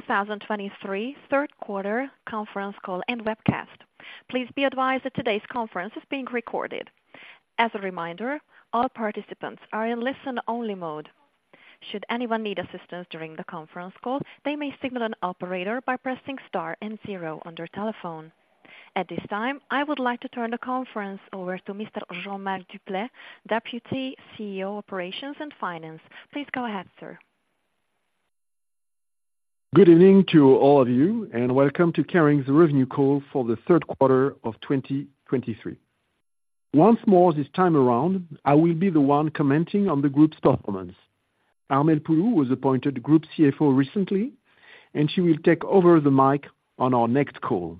2023 Q3 Conference Call and webcast. Please be advised that today's conference is being recorded. As a reminder, all participants are in listen only mode. Should anyone need assistance during the conference call, they may signal an operator by pressing star and zero on their telephone. At this time, I would like to turn the conference over to Mr. Jean-Marc Duplaix, Deputy CEO, Operations and Finance. Please go ahead, sir. Good evening to all of you, and welcome to Kering's revenue call for the Q3 of 2023. Once more, this time around, I will be the one commenting on the group's performance. Armelle Poulou was appointed Group CFO recently, and she will take over the mic on our next call.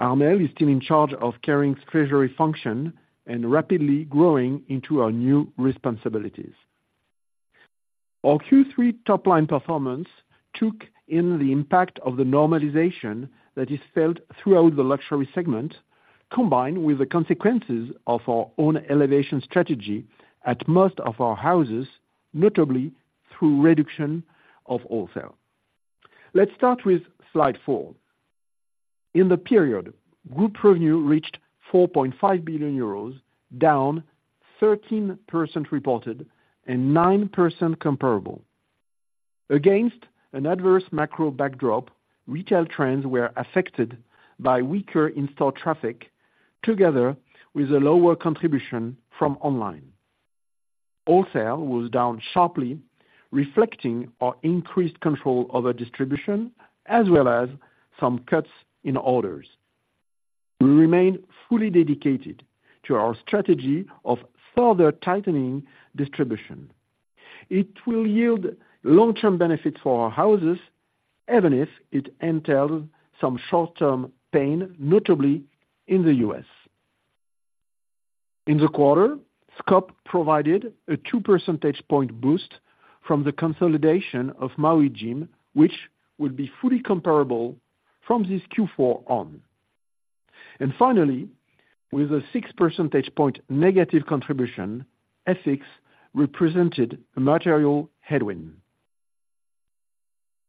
Armelle is still in charge of Kering's treasury function and rapidly growing into her new responsibilities. Our Q3 top line performance took in the impact of the normalization that is felt throughout the luxury segment, combined with the consequences of our own elevation strategy at most of our houses, notably through reduction of wholesale. Let's start with slide four. In the period, group revenue reached 4.5 billion euros, down 13% reported, and 9% comparable. Against an adverse macro backdrop, retail trends were affected by weaker in-store traffic, together with a lower contribution from online. Wholesale was down sharply, reflecting our increased control over distribution, as well as some cuts in orders. We remain fully dedicated to our strategy of further tightening distribution. It will yield long-term benefits for our houses, even if it entails some short-term pain, notably in the U.S. In the quarter, scope provided a 2 percentage point boost from the consolidation of Maui Jim, which will be fully comparable from this Q4 on. And finally, with a 6 percentage point negative contribution, FX represented a material headwind.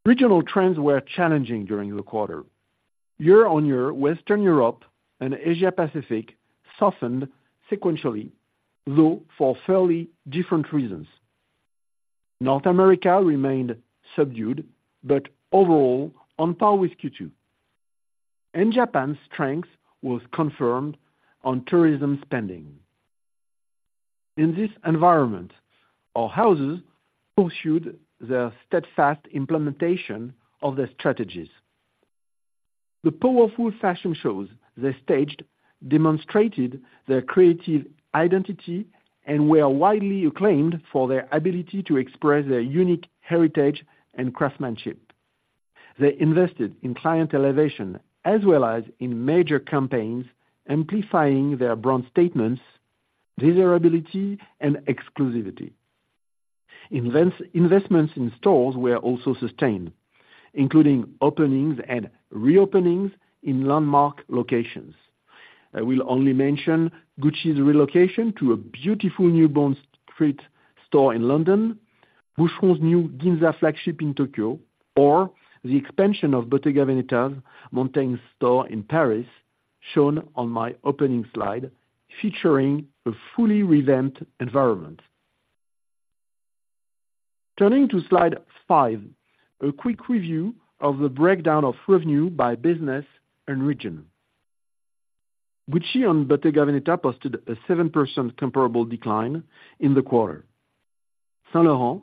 Regional trends were challenging during the quarter. Year-on-year, Western Europe and Asia Pacific softened sequentially, though for fairly different reasons. North America remained subdued, but overall on par with Q2, and Japan's strength was confirmed on tourism spending. In this environment, our houses pursued their steadfast implementation of their strategies. The powerful fashion shows they staged demonstrated their creative identity and were widely acclaimed for their ability to express their unique heritage and craftsmanship. They invested in client elevation as well as in major campaigns, amplifying their brand statements, desirability and exclusivity. Investments in stores were also sustained, including openings and reopenings in landmark locations. I will only mention Gucci's relocation to a beautiful New Bond Street store in London, Boucheron's new Ginza flagship in Tokyo, or the expansion of Bottega Veneta's Montaigne store in Paris, shown on my opening slide, featuring a fully revamped environment. Turning to slide 5, a quick review of the breakdown of revenue by business and region. Gucci and Bottega Veneta posted a 7% comparable decline in the quarter. Saint Laurent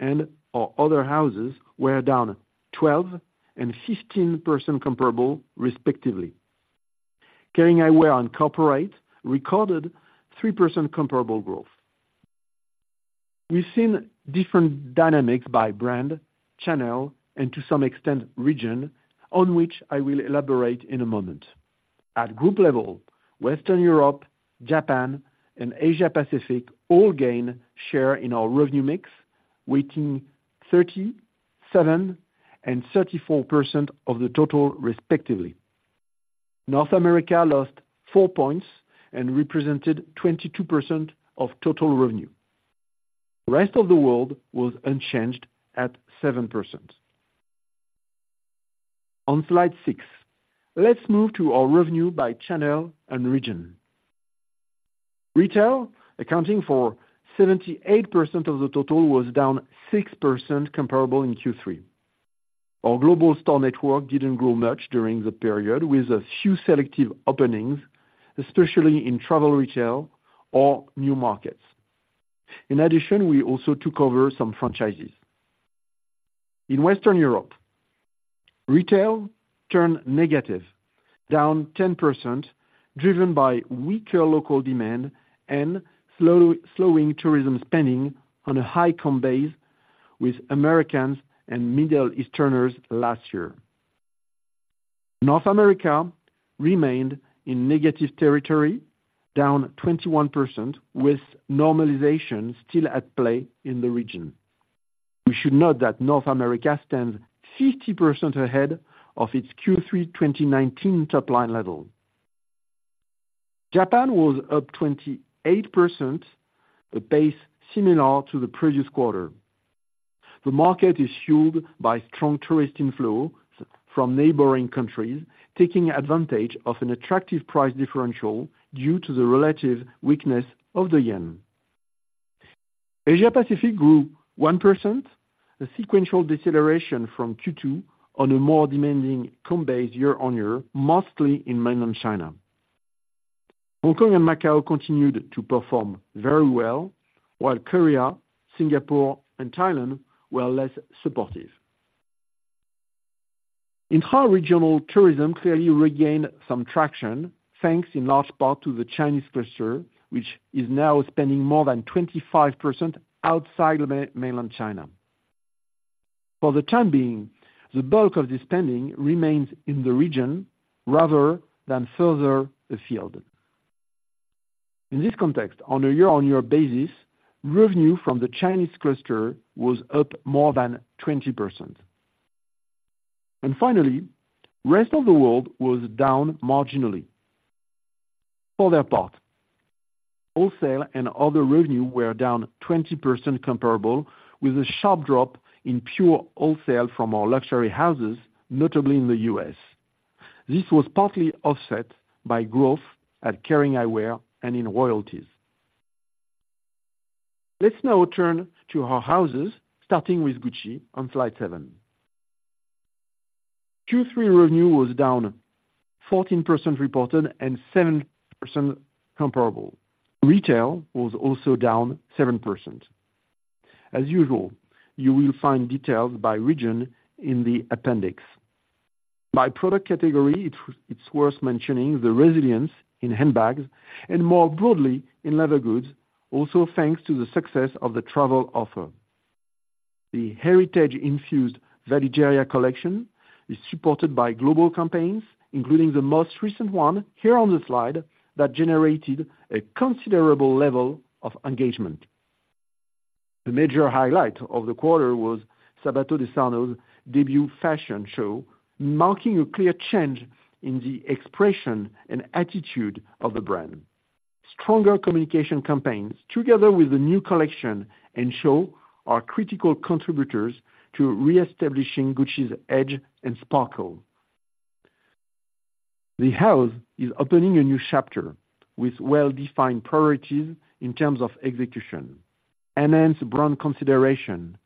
and our other houses were down 12% and 15% comparable, respectively. Kering Eyewear on corporate recorded 3% comparable growth. We've seen different dynamics by brand, channel, and to some extent, region, on which I will elaborate in a moment. At group level, Western Europe, Japan, and Asia Pacific all gain share in our revenue mix, weighing 30%, 7%, and 34% of the total, respectively. North America lost 4 points and represented 22% of total revenue. The rest of the world was unchanged at 7%. On slide six, let's move to our revenue by channel and region. Retail, accounting for 78% of the total, was down 6% comparable in Q3. Our global store network didn't grow much during the period, with a few selective openings, especially in travel retail or new markets. In addition, we also took over some franchises. In Western Europe, retail turned negative, down 10%, driven by weaker local demand and slowing tourism spending on a high comp base with Americans and Middle Easterners last year. North America remained in negative territory, down 21%, with normalization still at play in the region. We should note that North America stands 50% ahead of its Q3 2019 top line level. Japan was up 28%, a base similar to the previous quarter. The market is fueled by strong tourist inflows from neighboring countries, taking advantage of an attractive price differential due to the relative weakness of the yen. Asia Pacific grew 1%, a sequential deceleration from Q2 on a more demanding comp base year-on-year, mostly in mainland China. Hong Kong and Macao continued to perform very well, while Korea, Singapore, and Thailand were less supportive. In our regional tourism clearly regained some traction, thanks in large part to the Chinese cluster, which is now spending more than 25% outside mainland China. For the time being, the bulk of the spending remains in the region rather than further afield. In this context, on a year-on-year basis, revenue from the Chinese cluster was up more than 20%. And finally, rest of the world was down marginally. For their part, wholesale and other revenue were down 20% comparable, with a sharp drop in pure wholesale from our luxury houses, notably in the U.S. This was partly offset by growth at Kering Eyewear and in royalties. Let's now turn to our houses, starting with Gucci on slide seven. Q3 revenue was down 14% reported, and 7% comparable. Retail was also down 7%. As usual, you will find details by region in the appendix. By product category, it's worth mentioning the resilience in handbags and, more broadly, in leather goods, also thanks to the success of the travel offer. The heritage-infused Valigeria collection is supported by global campaigns, including the most recent one here on the slide, that generated a considerable level of engagement. The major highlight of the quarter was Sabato De Sarno's debut fashion show, marking a clear change in the expression and attitude of the brand. Stronger communication campaigns, together with the new collection and show, are critical contributors to reestablishing Gucci's edge and sparkle. The house is opening a new chapter with well-defined priorities in terms of execution, enhance brand consideration,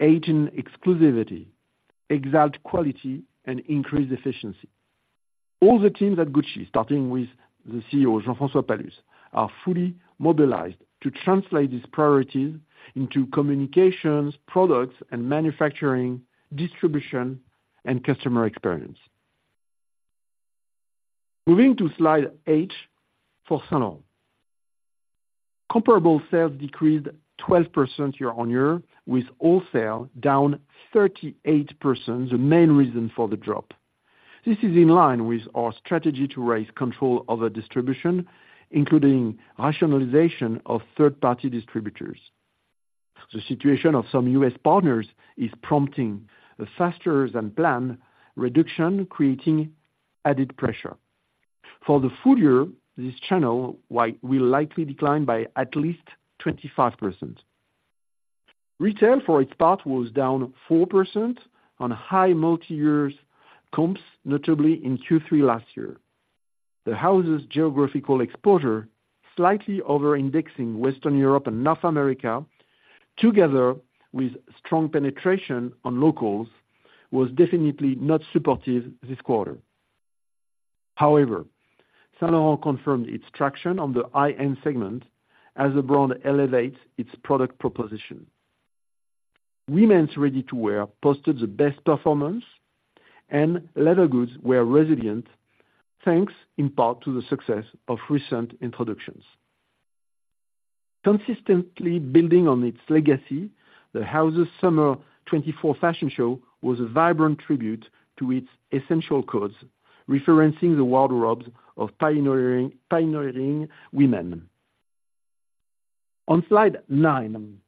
aid in exclusivity, exalt quality, and increase efficiency. All the teams at Gucci, starting with the CEO, Jean-François Palus, are fully mobilized to translate these priorities into communications, products and manufacturing, distribution, and customer experience. Moving to slide eight, for Saint Laurent. Comparable sales decreased 12% year-on-year, with wholesale down 38%, the main reason for the drop. This is in line with our strategy to raise control over distribution, including rationalization of third-party distributors. The situation of some U.S. partners is prompting a faster-than-planned reduction, creating added pressure. For the full year, this channel wide will likely decline by at least 25%. Retail, for its part, was down 4% on high multi-years comps, notably in Q3 last year. The house's geographical exposure, slightly over-indexing Western Europe and North America, together with strong penetration on locals, was definitely not supportive this quarter. However, Saint Laurent confirmed its traction on the high-end segment as the brand elevates its product proposition. Women's ready-to-wear posted the best performance, and leather goods were resilient, thanks in part to the success of recent introductions. Consistently building on its legacy, the house's summer 2024 fashion show was a vibrant tribute to its essential cause, referencing the wardrobes of pioneering women. On slide 9,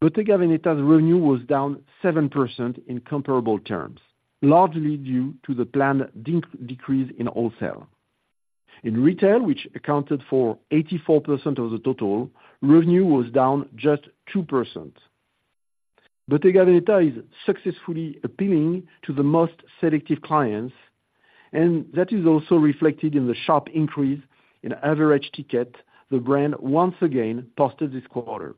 Bottega Veneta's revenue was down 7% in comparable terms, largely due to the planned decrease in wholesale. In retail, which accounted for 84% of the total, revenue was down just 2%. Bottega Veneta is successfully appealing to the most selective clients, and that is also reflected in the sharp increase in average ticket the brand once again posted this quarter.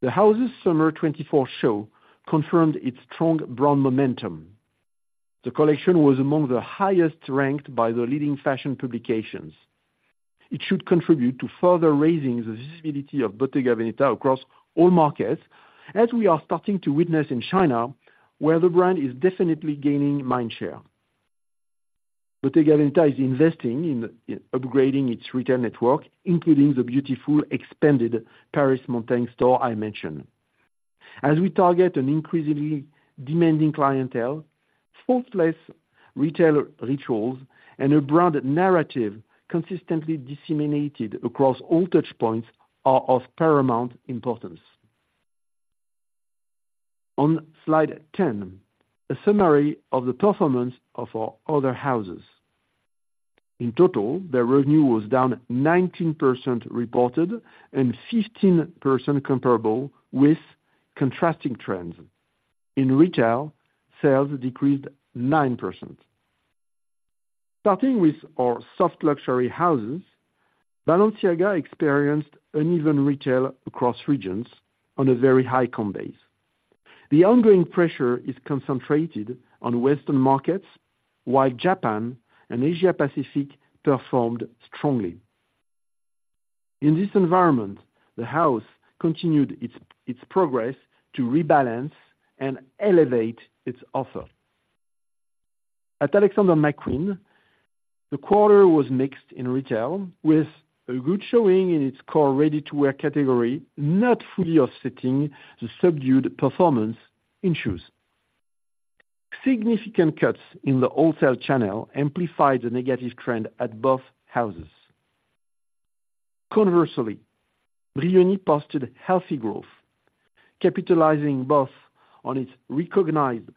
The house's summer 2024 show confirmed its strong brand momentum. The collection was among the highest ranked by the leading fashion publications. It should contribute to further raising the visibility of Bottega Veneta across all markets, as we are starting to witness in China, where the brand is definitely gaining mindshare. Bottega Veneta is investing in upgrading its retail network, including the beautiful, expanded Paris Montaigne store I mentioned. As we target an increasingly demanding clientele, faultless retail rituals and a brand narrative consistently disseminated across all touchpoints are of paramount importance. On Slide 10, a summary of the performance of our other houses. In total, their revenue was down 19% reported and 15% comparable with contrasting trends. In retail, sales decreased 9%. Starting with our soft luxury houses, Balenciaga experienced uneven retail across regions on a very high comp base. The ongoing pressure is concentrated on Western markets, while Japan and Asia Pacific performed strongly. In this environment, the house continued its progress to rebalance and elevate its offer. At Alexander McQueen, the quarter was mixed in retail, with a good showing in its core ready-to-wear category, not fully offsetting the subdued performance in shoes. Significant cuts in the wholesale channel amplified the negative trend at both houses. Conversely, Brioni posted healthy growth, capitalizing both on its recognized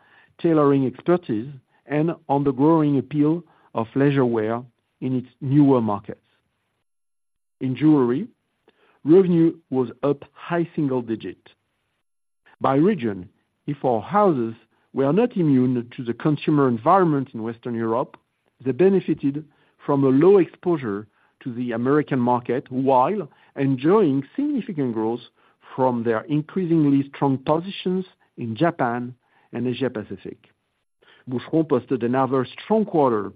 tailoring expertise and on the growing appeal of leisure wear in its newer markets. In jewelry, revenue was up high single digit. By region, if our houses were not immune to the consumer environment in Western Europe, they benefited from a low exposure to the American market, while enjoying significant growth from their increasingly strong positions in Japan and Asia Pacific. Boucheron posted another strong quarter,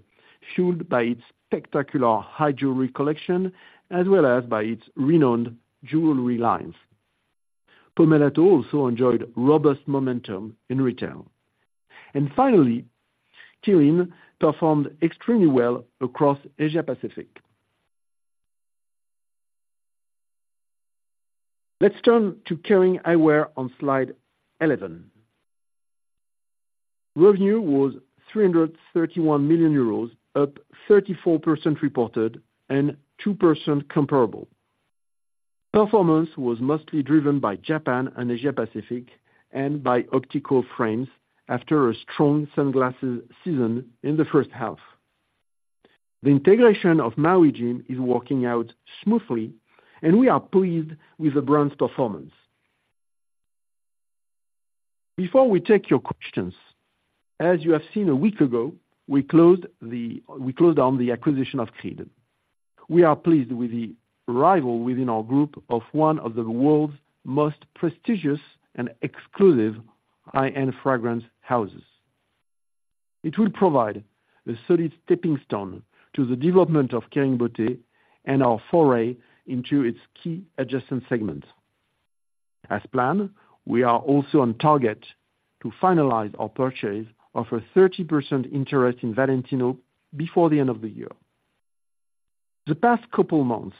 fueled by its spectacular high jewelry collection, as well as by its renowned jewelry lines. Pomellato also enjoyed robust momentum in retail. And finally, Qeelin performed extremely well across Asia Pacific. Let's turn to Kering Eyewear on slide 11. Revenue was 331 million euros, up 34% reported, and 2% comparable. Performance was mostly driven by Japan and Asia Pacific and by optical frames after a strong sunglasses season in the first half. The integration of Maui Jim is working out smoothly, and we are pleased with the brand's performance. Before we take your questions, as you have seen a week ago, we closed down the acquisition of Creed. We are pleased with the arrival within our group of one of the world's most prestigious and exclusive high-end fragrance houses. It will provide a solid stepping stone to the development of Kering Beauté and our foray into its key adjacent segments. As planned, we are also on target to finalize our purchase of a 30% interest in Valentino before the end of the year. The past couple months,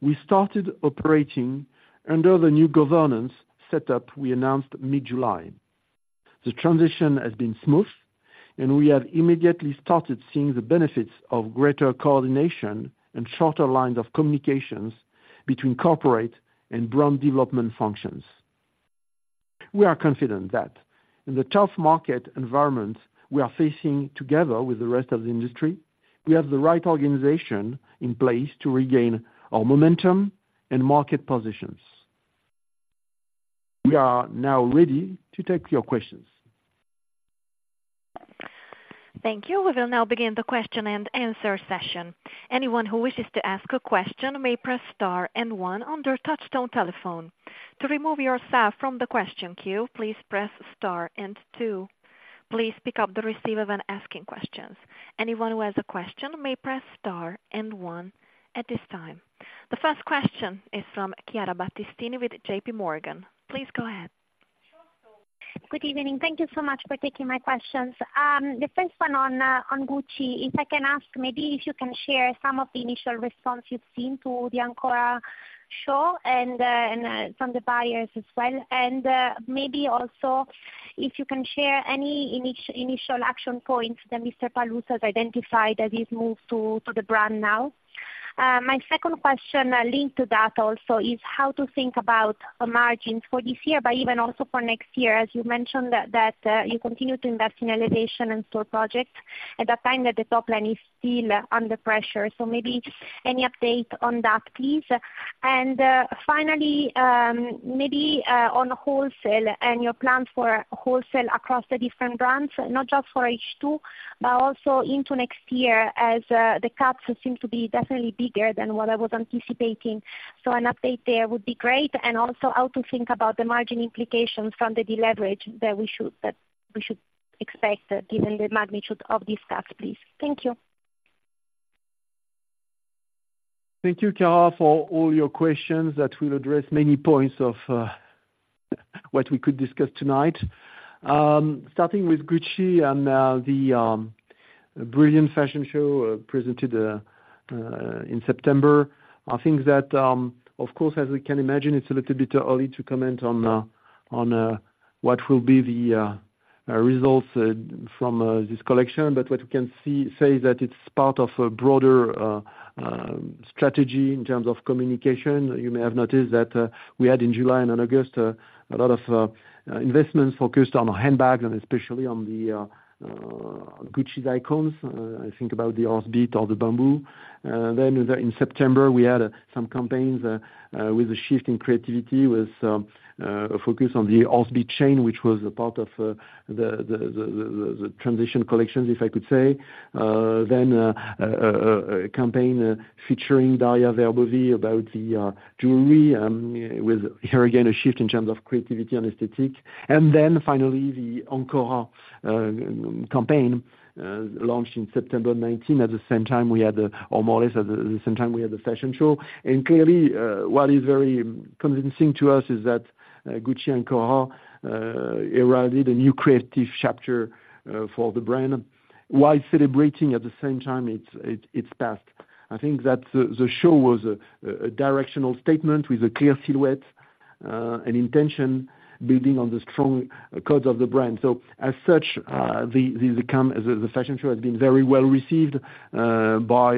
we started operating under the new governance set up we announced mid-July. The transition has been smooth, and we have immediately started seeing the benefits of greater coordination and shorter lines of communications between corporate and brand development functions. We are confident that in the tough market environment we are facing, together with the rest of the industry, we have the right organization in place to regain our momentum and market positions. We are now ready to take your questions. Thank you. We will now begin the question and answer session. Anyone who wishes to ask a question may press star and one on their touchtone telephone. To remove yourself from the question queue, please press star and two. Please pick up the receiver when asking questions. Anyone who has a question may press star and one at this time. The first question is from Chiara Battistini with JPMorgan. Please go ahead. Good evening. Thank you so much for taking my questions. The first one on Gucci, if I can ask, maybe if you can share some of the initial response you've seen to the Ancora show and from the buyers as well. And maybe also if you can share any initial action points that Mr. Palus has identified as he's moved to the brand now. My second question, linked to that also, is how to think about the margins for this year, but even also for next year, as you mentioned that you continue to invest in elevation and store projects at a time that the top line is still under pressure. Maybe any update on that, please? Finally, maybe on wholesale and your plans for wholesale across the different brands, not just for H2, but also into next year, as the cuts seem to be definitely bigger than what I was anticipating. An update there would be great. Also, how to think about the margin implications from the deleverage that we should expect, given the magnitude of these cuts, please. Thank you. Thank you, Chiara, for all your questions that will address many points of what we could discuss tonight. Starting with Gucci and the brilliant fashion show presented in September. I think that of course, as we can imagine, it's a little bit early to comment on what will be the results from this collection, but what we can see, say that it's part of a broader strategy in terms of communication. You may have noticed that we had in July and in August a lot of investments focused on our handbags and especially on the Gucci's icons. I think about the Horsebit or the Bamboo. Then in September, we had some campaigns with a shift in creativity with a focus on the Horsebit Chain, which was a part of the transition collections, if I could say. Then a campaign featuring Daria Werbowy about the jewelry with here again a shift in terms of creativity and aesthetic. And then finally, the Ancora campaign launched in September 2019. At the same time, we had, or more or less at the same time, we had the fashion show. And clearly, what is very convincing to us is that Gucci Ancora eroded a new creative chapter for the brand, while celebrating at the same time its past. I think that the show was a directional statement with a clear silhouette and intention building on the strong codes of the brand. So as such, the fashion show has been very well received by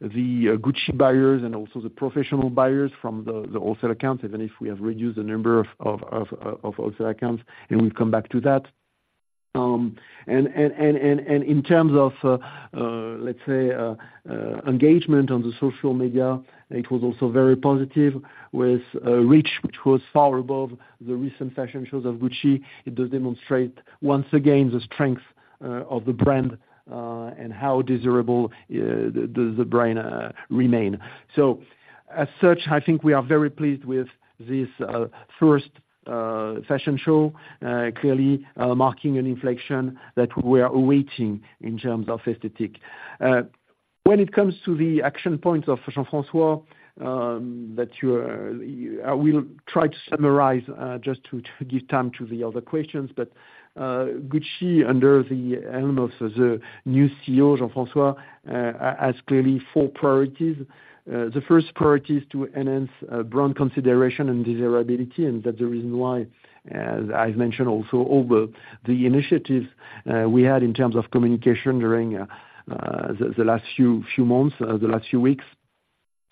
the Gucci buyers and also the professional buyers from the wholesale account, even if we have reduced the number of wholesale accounts, and we'll come back to that. And in terms of let's say engagement on social media, it was also very positive with reach, which was far above the recent fashion shows of Gucci. It does demonstrate, once again, the strength of the brand and how desirable the brand remain. So, as such, I think we are very pleased with this first fashion show, clearly marking an inflection that we are awaiting in terms of aesthetic. When it comes to the action points of Jean-François, I will try to summarize just to give time to the other questions, but Gucci, under the leadership of the new CEO, Jean-François, has clearly four priorities. The first priority is to enhance brand consideration and desirability, and that's the reason why, as I've mentioned, also, all the initiatives we had in terms of communication during the last few months, the last few weeks.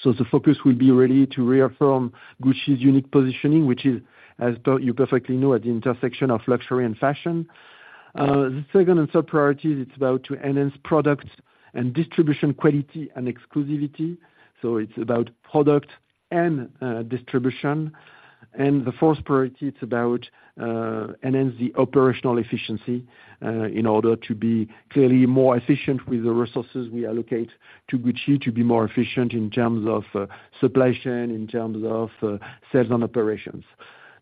So the focus will be really to reaffirm Gucci's unique positioning, which is, as you perfectly know, at the intersection of luxury and fashion. The second and third priorities, it's about to enhance product and distribution quality and exclusivity, so it's about product and distribution. And the fourth priority, it's about enhance the operational efficiency in order to be clearly more efficient with the resources we allocate to Gucci, to be more efficient in terms of supply chain, in terms of sales and operations.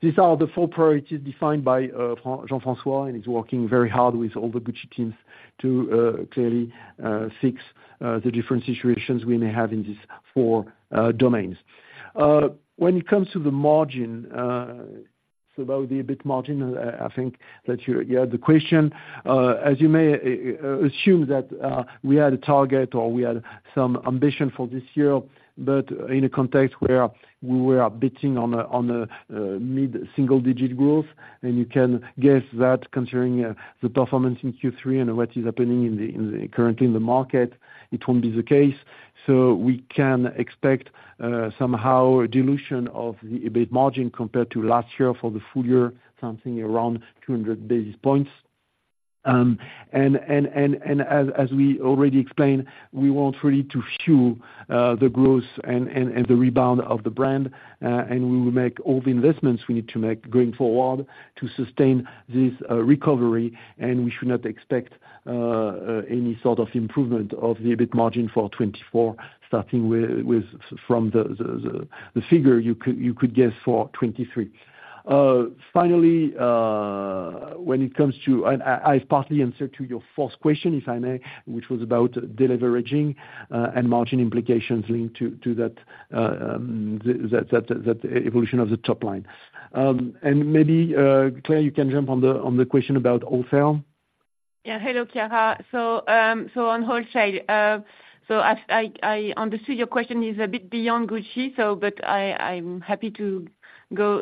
These are the four priorities defined by Jean-François, and he's working very hard with all the Gucci teams to clearly fix the different situations we may have in these four domains. When it comes to the margin, so about the EBIT margin, I think that you had the question. As you may assume that we had a target or we had some ambition for this year, but in a context where we were betting on a mid-single digit growth, and you can guess that concerning the performance in Q3 and what is happening in the currently in the market, it won't be the case. So we can expect somehow a dilution of the EBIT margin compared to last year for the full year, something around 200 basis points. And as we already explained, we want really to fuel the growth and the rebound of the brand, and we will make all the investments we need to make going forward to sustain this recovery. We should not expect any sort of improvement of the EBIT margin for 2024, starting with, from the figure you could guess for 2023. Finally, when it comes to, and I, I've partly answered to your fourth question, if I may, which was about deleveraging, and margin implications linked to that evolution of the top line. And maybe, Claire, you can jump on the question about wholesale. Yeah. Hello, Chiara. So, on wholesale, I understand your question is a bit beyond Gucci, so but I'm happy to go,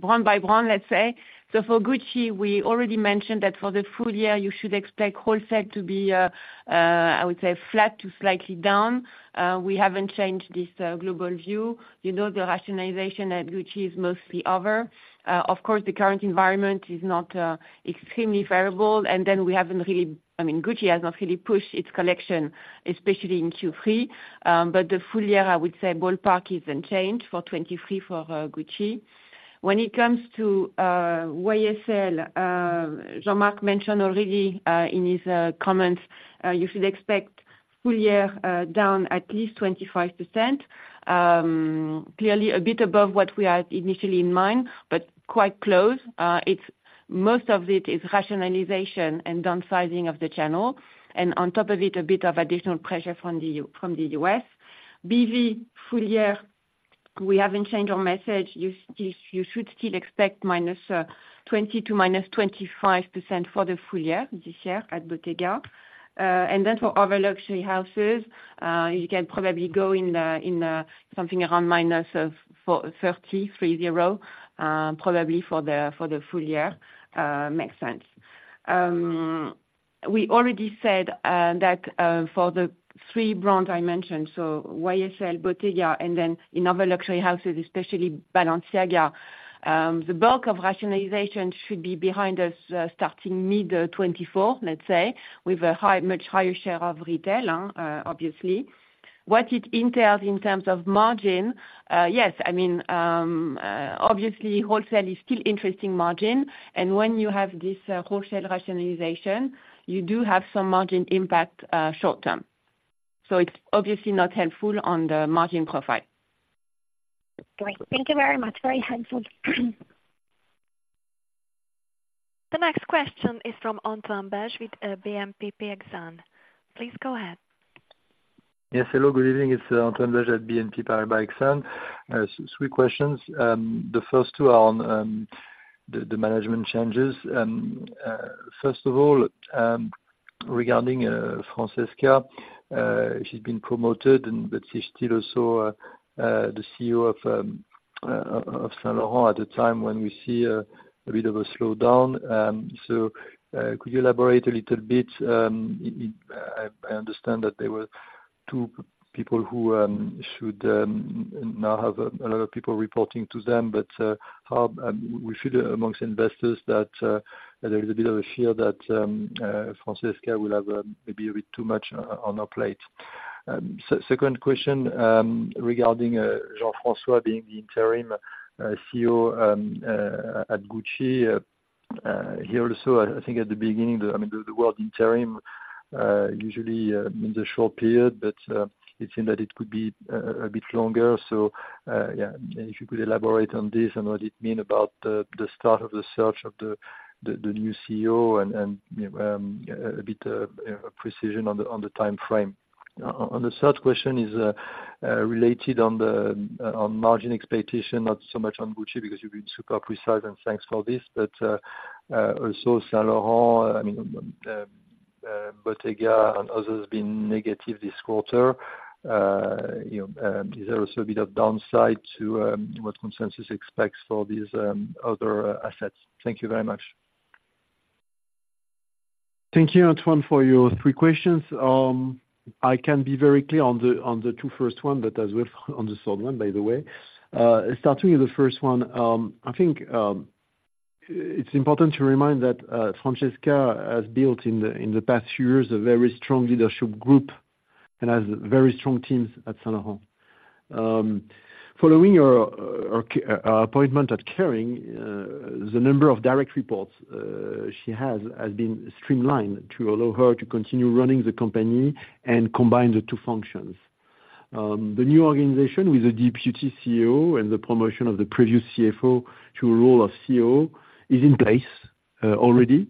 brand by brand, let's say. So for Gucci, we already mentioned that for the full year, you should expect wholesale to be, I would say flat to slightly down. We haven't changed this global view. You know, the rationalization at Gucci is mostly over. Of course, the current environment is not extremely favorable, and then we haven't really, I mean, Gucci has not really pushed its collection, especially in Q3. But the full year, I would say ballpark is unchanged for 2023, for Gucci. When it comes to YSL, Jean-Marc mentioned already in his comments, you should expect full year down at least 25%. Clearly a bit above what we had initially in mind, but quite close. It's most of it is rationalization and downsizing of the channel, and on top of it, a bit of additional pressure from the U.S. BV full year, we haven't changed our message. You should still expect -20% to -25% for the full year, this year at Bottega. And then for other luxury houses, you can probably go in something around -40 to -30, probably for the full year, makes sense. We already said, that, for the three brands I mentioned, so YSL, Bottega, and then in other luxury houses, especially Balenciaga, the bulk of rationalization should be behind us, starting mid-2024, let's say, with a high, much higher share of retail, obviously. What it entails in terms of margin, yes, I mean, obviously wholesale is still interesting margin, and when you have this, wholesale rationalization, you do have some margin impact, short term. So it's obviously not helpful on the margin profile. Great. Thank you very much. Very helpful. The next question is from Antoine Belge with BNP Paribas. Please go ahead. Yes, hello, good evening, it's Antoine Belge at BNP Paribas Exane. Three questions. The first two are on the management changes. First of all, regarding Francesca, she's been promoted and, but she's still also the CEO of Saint Laurent at the time when we see a bit of a slowdown. So, could you elaborate a little bit. I understand that there were two people who should now have a lot of people reporting to them, but how we feel amongst investors that there is a bit of a fear that Francesca will have maybe a bit too much on her plate. Second question, regarding Jean-François being the interim CEO at Gucci, he also, I think at the beginning, I mean, the word interim usually means a short period, but it seemed that it could be a bit longer, so yeah, if you could elaborate on this and what it mean about the start of the search for the new CEO and a bit of precision on the timeframe. The third question is related to the margin expectation, not so much on Gucci, because you've been super precise, and thanks for this, but also Saint Laurent, I mean, Bottega and others been negative this quarter. You know, is there also a bit of downside to what consensus expects for these other assets? Thank you very much. Thank you, Antoine, for your three questions. I can be very clear on the, on the two first one, but as with on the third one, by the way. Starting with the first one, I think, it's important to remind that, Francesca has built in the, in the past few years, a very strong leadership group and has very strong teams at Saint Laurent. Following her, her appointment at Kering, the number of direct reports, she has, has been streamlined to allow her to continue running the company and combine the two functions. The new organization with the deputy CEO and the promotion of the previous CFO to the role of CEO, is in place, already,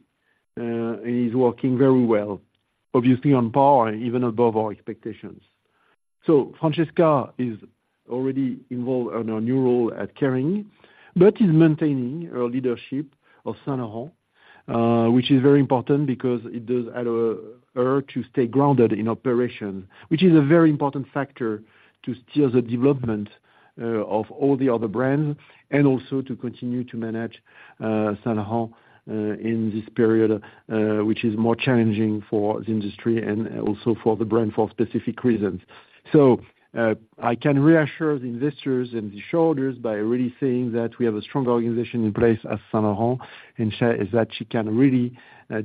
and is working very well, obviously on par, even above our expectations. So Francesca is already involved in our new role at Kering, but is maintaining her leadership of Saint Laurent, which is very important, because it does allow her to stay grounded in operation, which is a very important factor to steer the development of all the other brands, and also to continue to manage Saint Laurent in this period, which is more challenging for the industry and also for the brand, for specific reasons. So, I can reassure the investors and the shareholders by really saying that we have a strong organization in place at Saint Laurent, and that she can really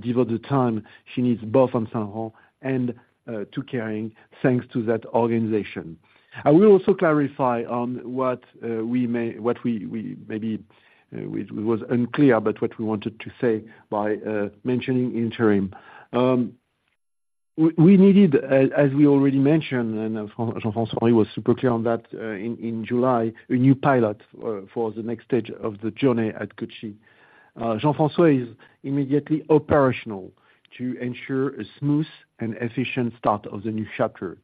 devote the time she needs, both on Saint Laurent and to Kering, thanks to that organization. I will also clarify on what was unclear, but what we wanted to say by mentioning interim. We needed, as we already mentioned, and Jean-François was super clear on that, in July, a new pilot for the next stage of the journey at Gucci. Jean-François is immediately operational to ensure a smooth and efficient start of the new chapter.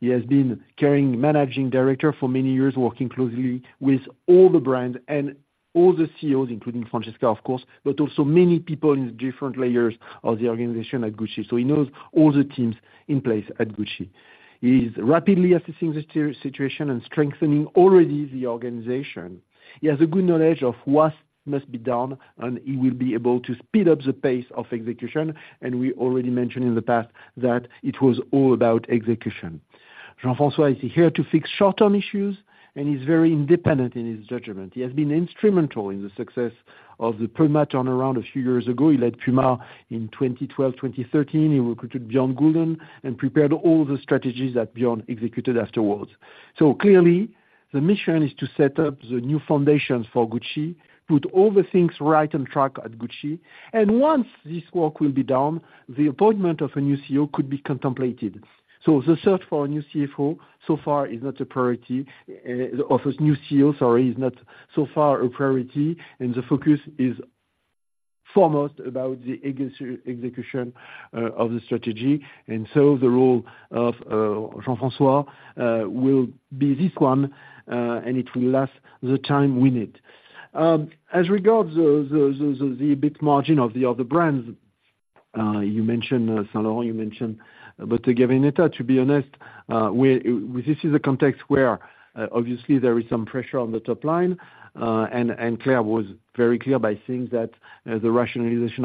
He has been Kering Managing Director for many years, working closely with all the brands and all the CEOs, including Francesca, of course, but also many people in different layers of the organization at Gucci. So he knows all the teams in place at Gucci. He's rapidly assessing the situation and strengthening already the organization. He has a good knowledge of what must be done, and he will be able to speed up the pace of execution, and we already mentioned in the past that it was all about execution. Jean-François is here to fix short-term issues, and he's very independent in his judgment. He has been instrumental in the success of the PUMA turnaround a few years ago. He led PUMA in 2012, 2013. He recruited Bjørn Gulden and prepared all the strategies that Bjørn executed afterwards. So clearly, the mission is to set up the new foundations for Gucci, put all the things right on track at Gucci, and once this work will be done, the appointment of a new CEO could be contemplated. So the search for a new CFO so far is not a priority of a new CEO. Sorry, is not so far a priority, and the focus is foremost about the execution of the strategy. So the role of Jean-François will be this one, and it will last the time we need. As regards the EBIT margin of the other brands you mentioned, Saint Laurent, but to give an ETA, to be honest, this is a context where obviously there is some pressure on the top line. And Claire was very clear by saying that the rationalization,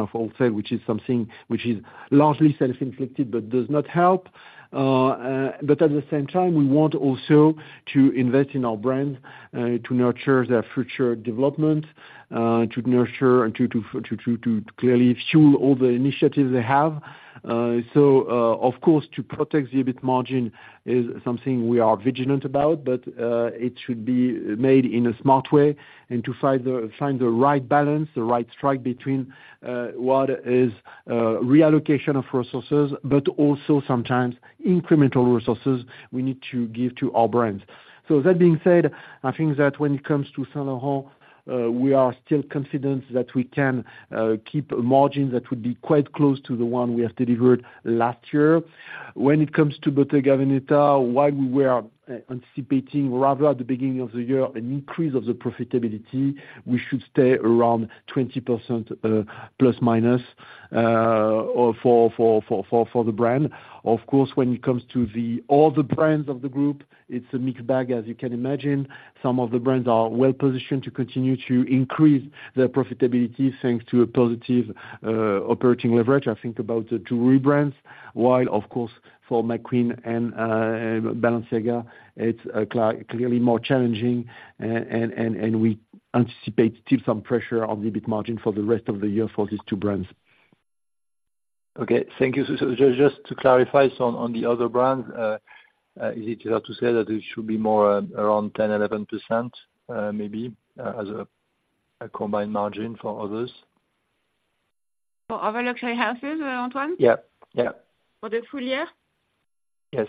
which is something which is largely self-inflicted, but does not help. But at the same time, we want also to invest in our brand to nurture their future development, to nurture and to clearly fuel all the initiatives they have. So, of course, to protect the EBIT margin is something we are vigilant about, but it should be made in a smart way, and to find the right balance, the right strike between what is reallocation of resources, but also sometimes incremental resources we need to give to our brands. So that being said, I think that when it comes to Saint Laurent, we are still confident that we can keep margins that would be quite close to the one we have delivered last year. When it comes to Bottega Veneta, while we were anticipating rather at the beginning of the year an increase of the profitability, we should stay around 20%, plus minus, or for the brand. Of course, when it comes to all the brands of the group, it's a mixed bag, as you can imagine. Some of the brands are well positioned to continue to increase their profitability, thanks to a positive operating leverage. I think about the jewelry brands, while of course, for McQueen and Balenciaga, it's clearly more challenging and we anticipate still some pressure on the EBIT margin for the rest of the year for these two brands. Okay, thank you. So, just to clarify, so on the other brands, is it fair to say that it should be more around 10% to 11%, maybe, as a combined margin for others? For other luxury houses, Antoine? Yeah, yeah. For the full year? Yes.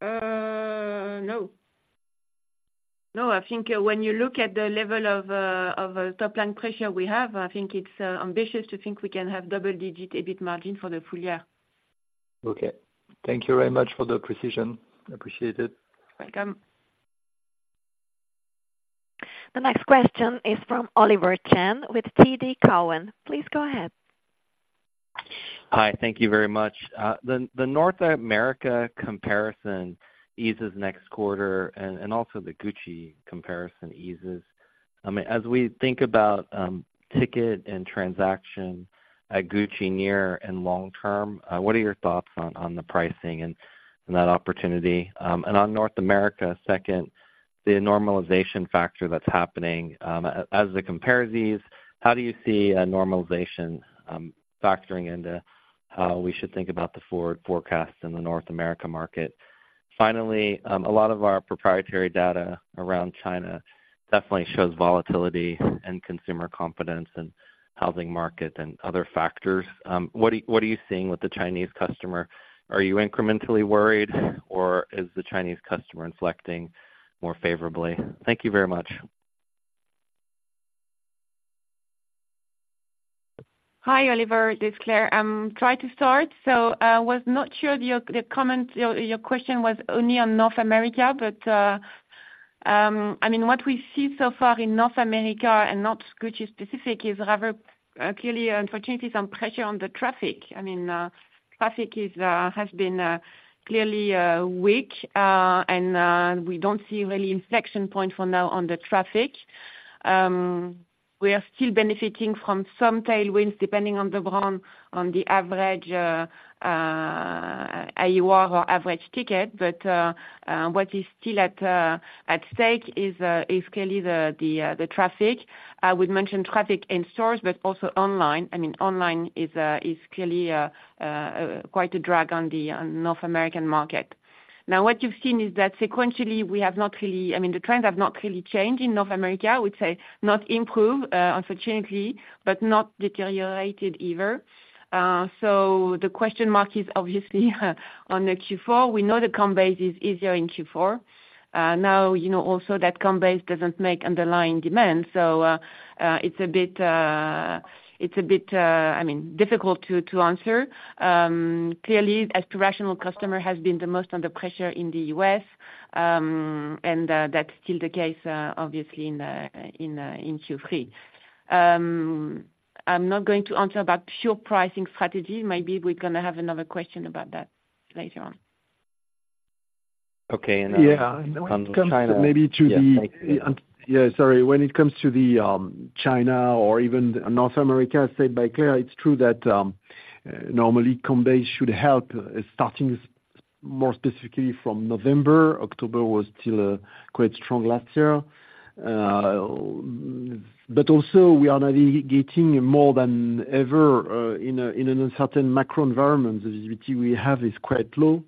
No. No, I think, when you look at the level of top-line pressure we have, I think it's ambitious to think we can have double-digit EBIT margin for the full year. Okay. Thank you very much for the precision. Appreciate it. Welcome. The next question is from Oliver Chen with TD Cowen. Please go ahead. Hi, thank you very much. The North America comparison eases next quarter and also the Gucci comparison eases. I mean, as we think about ticket and transaction at Gucci near and long term, what are your thoughts on the pricing and that opportunity? And on North America, second, the normalization factor that's happening, as the compares ease, how do you see a normalization factoring into how we should think about the forward forecast in the North America market? Finally, a lot of our proprietary data around China definitely shows volatility in consumer confidence and housing market and other factors. What are you seeing with the Chinese customer? Are you incrementally worried, or is the Chinese customer inflecting more favorably? Thank you very much. Hi, Oliver, this is Claire. I was not sure the comments, your question was only on North America, but I mean, what we see so far in North America and not Gucci specific, is rather clearly, unfortunately, some pressure on the traffic. I mean, traffic has been clearly weak. We don't see really inflection point for now on the traffic. We are still benefiting from some tailwinds, depending on the brand, on the average AUR or average ticket. But what is still at stake is clearly the traffic. I would mention traffic in stores, but also online. I mean, online is clearly quite a drag on the North American market. Now, what you've seen is that sequentially we have not really... I mean, the trends have not really changed in North America, I would say, not improve, unfortunately, but not deteriorated either. So the question mark is obviously on the Q4. We know the comp base is easier in Q4. Now, you know, also that comp base doesn't make underlying demand, so it's a bit, I mean, difficult to answer. Clearly, aspirational customer has been the most under pressure in the US, and that's still the case, obviously in Q3. I'm not going to answer about pure pricing strategy. Maybe we're gonna have another question about that later on. Okay, and Yeah- On China, Maybe to the Yes, thank you. Yeah, sorry. When it comes to the China or even North America, said by Claire, it's true that normally comp base should help, starting more specifically from November. October was still quite strong last year. But also, we are navigating more than ever in an uncertain macro environment. The visibility we have is quite low,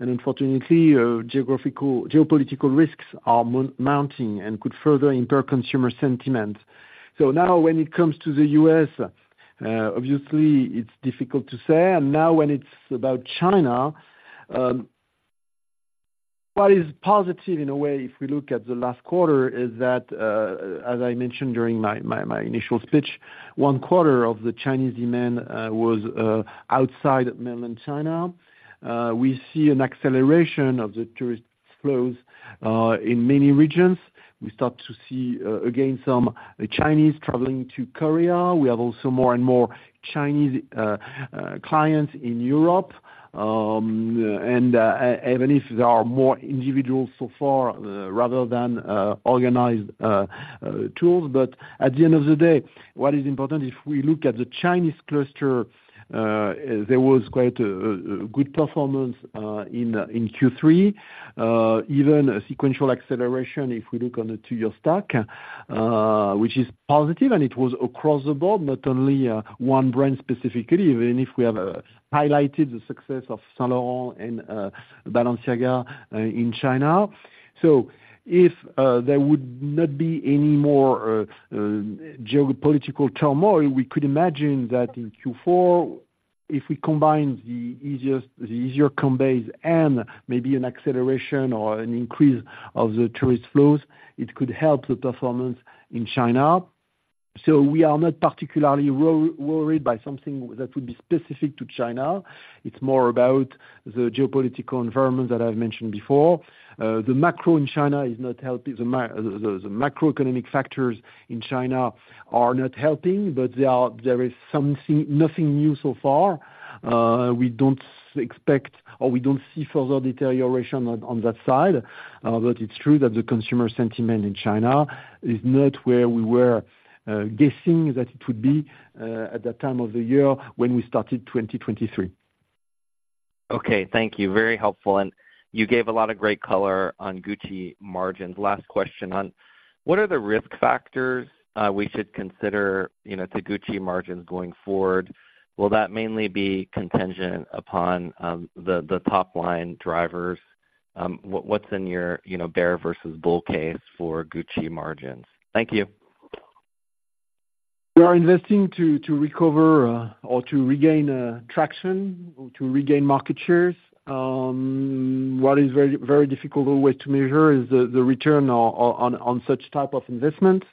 and unfortunately, geographical, geopolitical risks are mounting, and could further impair consumer sentiment. So now when it comes to the U.S., obviously it's difficult to say, and now when it's about China, what is positive in a way, if we look at the last quarter, is that, as I mentioned during my initial speech, one quarter of the Chinese demand was outside Mainland China. We see an acceleration of the tourist flows in many regions. We start to see, again, some Chinese traveling to Korea. We have also more and more Chinese clients in Europe. And even if there are more individuals so far, rather than organized tours. But at the end of the day, what is important, if we look at the Chinese cluster, there was quite a good performance in Q3, even a sequential acceleration if we look on the two-year stack, which is positive, and it was across the board, not only one brand specifically, even if we have highlighted the success of Saint Laurent and Balenciaga in China. So if there would not be any more geopolitical turmoil, we could imagine that in Q4, if we combine the easiest, the easier compares and maybe an acceleration or an increase of the tourist flows, it could help the performance in China. So we are not particularly worried by something that would be specific to China. It's more about the geopolitical environment that I've mentioned before. The macro in China is not helping, the macroeconomic factors in China are not helping, but there is nothing new so far. We don't expect, or we don't see further deterioration on that side. But it's true that the consumer sentiment in China is not where we were guessing that it would be at that time of the year when we started 2023. Okay, thank you, very helpful. You gave a lot of great color on Gucci margins. Last question on, what are the risk factors we should consider, you know, to Gucci margins going forward? Will that mainly be contingent upon the top line drivers? What's in your, you know, bear versus bull case for Gucci margins? Thank you. We are investing to recover, or to regain traction, or to regain market shares. What is very, very difficult way to measure is the return on such type of investment.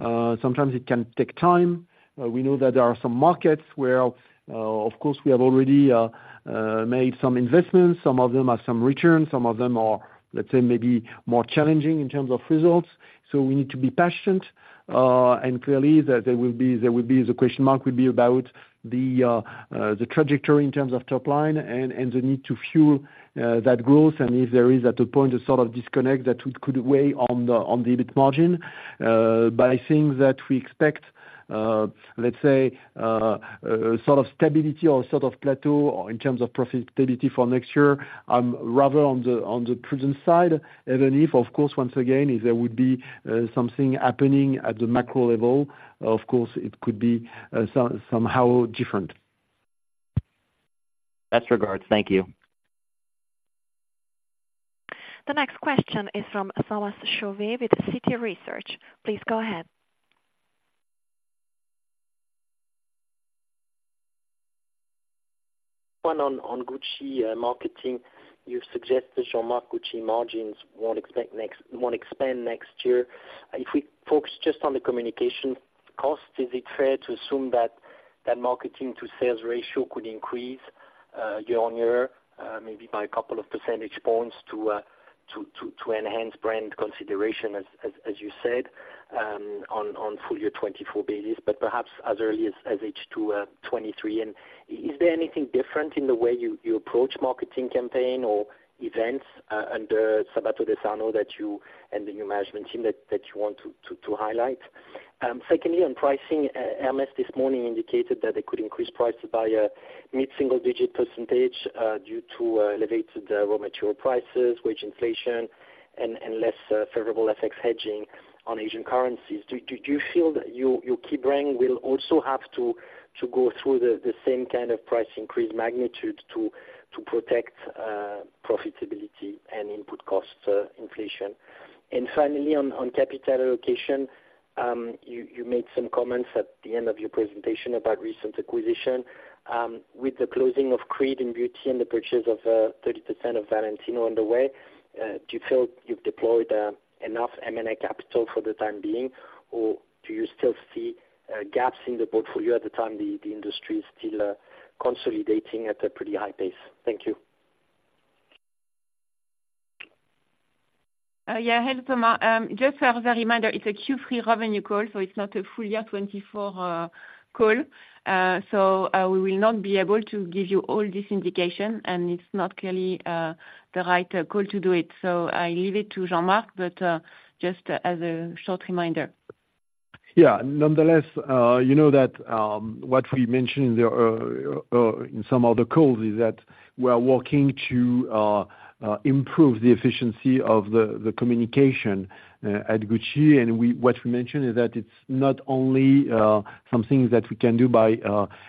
Sometimes it can take time. We know that there are some markets where, of course, we have already made some investments, some of them are some returns, some of them are, let's say, maybe more challenging in terms of results. So we need to be patient. And clearly, there will be the question mark will be about the trajectory in terms of top line and the need to fuel that growth. And if there is, at a point, a sort of disconnect that could weigh on the EBIT margin. But I think that we expect, let's say, a sort of stability or sort of plateau or in terms of profitability for next year, rather on the present side, even if, of course, once again, if there would be something happening at the macro level, of course, it could be somehow different. Best regards. Thank you. The next question is from Thomas Chauvet with Citi Research. Please go ahead. On Gucci marketing. You've suggested, Jean-Marc, Gucci margins won't expand next year. If we focus just on the communication cost, is it fair to assume that marketing to sales ratio could increase year-on-year, maybe by a couple of percentage points to enhance brand consideration, as you said, on a full year 2024 basis, but perhaps as early as H2 2023? And is there anything different in the way you approach marketing campaign or events under Sabato De Sarno, that you and the new management team want to highlight? Secondly, on pricing, Hermès this morning indicated that they could increase prices by a mid-single digit percentage, due to elevated raw material prices, wage inflation, and less favorable FX hedging on Asian currencies. Do you feel that your key brand will also have to go through the same kind of price increase magnitude to protect profitability and input costs inflation? And finally, on capital allocation, you made some comments at the end of your presentation about recent acquisition. With the closing of Creed and Beauty and the purchase of 30% of Valentino on the way, do you feel you've deployed enough M&A capital for the time being, or do you still see gaps in the portfolio at the time the industry is still consolidating at a pretty high pace? Thank you. Yeah, hello, Thomas. Just as a reminder, it's a Q3 revenue call, so it's not a full year 2024 call. So, we will not be able to give you all this indication, and it's not clearly the right call to do it. So I leave it to Jean-Marc, but just as a short reminder. Yeah. Nonetheless, you know that, what we mentioned in the, in some of the calls, is that we are working to, improve the efficiency of the, the communication, at Gucci. And we- what we mentioned is that it's not only, something that we can do by,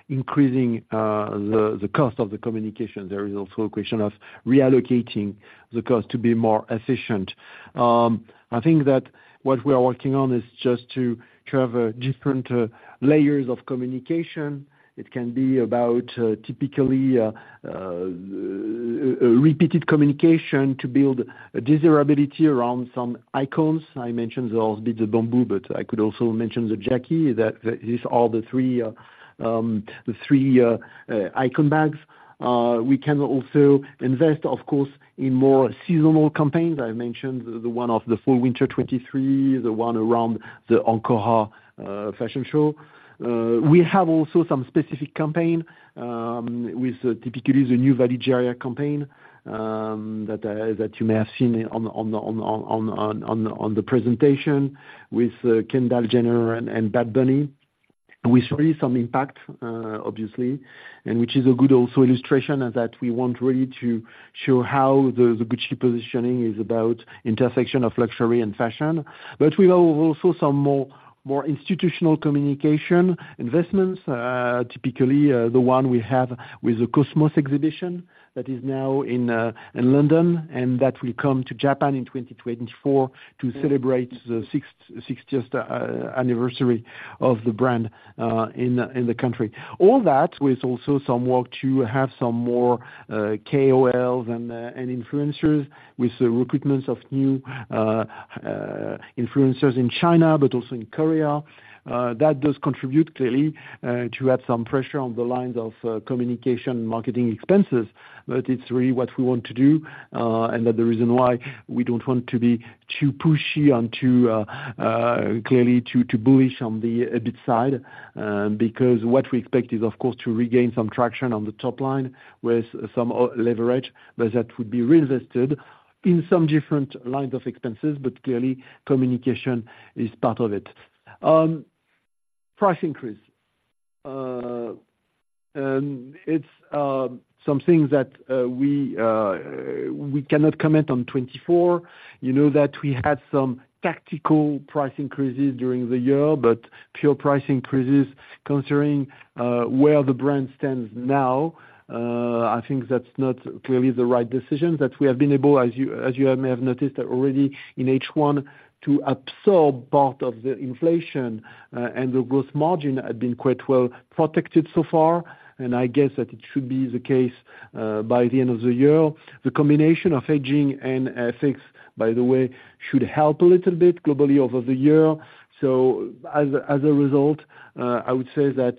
increasing, the, the cost of the communication. There is also a question of reallocating the cost to be more efficient. I think that what we are working on is just to have, different, layers of communication. It can be about, typically, a repeated communication to build a desirability around some icons. I mentioned the Horsebit, the Bamboo, but I could also mention the Jackie, that, that these are the three, the three, icon bags. We can also invest, of course, in more seasonal campaigns. I mentioned the one of the fall winter 2023, the one around the Ancora fashion show. We have also some specific campaign with typically the new Valigeria campaign that you may have seen on the presentation with Kendall Jenner and Bad Bunny. We saw really some impact, obviously, and which is a good also illustration, and that we want really to show how the Gucci positioning is about intersection of luxury and fashion. But we have also some more institutional communication investments, typically the one we have with the Cosmos exhibition, that is now in London, and that will come to Japan in 2024 to celebrate the sixtieth anniversary of the brand in the country. All that with also some work to have some more KOLs and influencers with the recruitments of new influencers in China, but also in Korea. That does contribute clearly to add some pressure on the lines of communication, marketing expenses, but it's really what we want to do, and that the reason why we don't want to be too pushy and too clearly to bullish on the EBIT side, because what we expect is, of course, to regain some traction on the top line with some leverage, but that would be reinvested in some different lines of expenses, but clearly communication is part of it. Price increase. It's something that we cannot comment on 2024. You know, that we had some tactical price increases during the year, but pure price increases considering where the brand stands now, I think that's not clearly the right decision. That we have been able, as you, as you may have noticed, already in H1, to absorb part of the inflation, and the gross margin had been quite well protected so far, and I guess that it should be the case, by the end of the year. The combination of hedging and FX, by the way, should help a little bit globally over the year. So as a result, I would say that,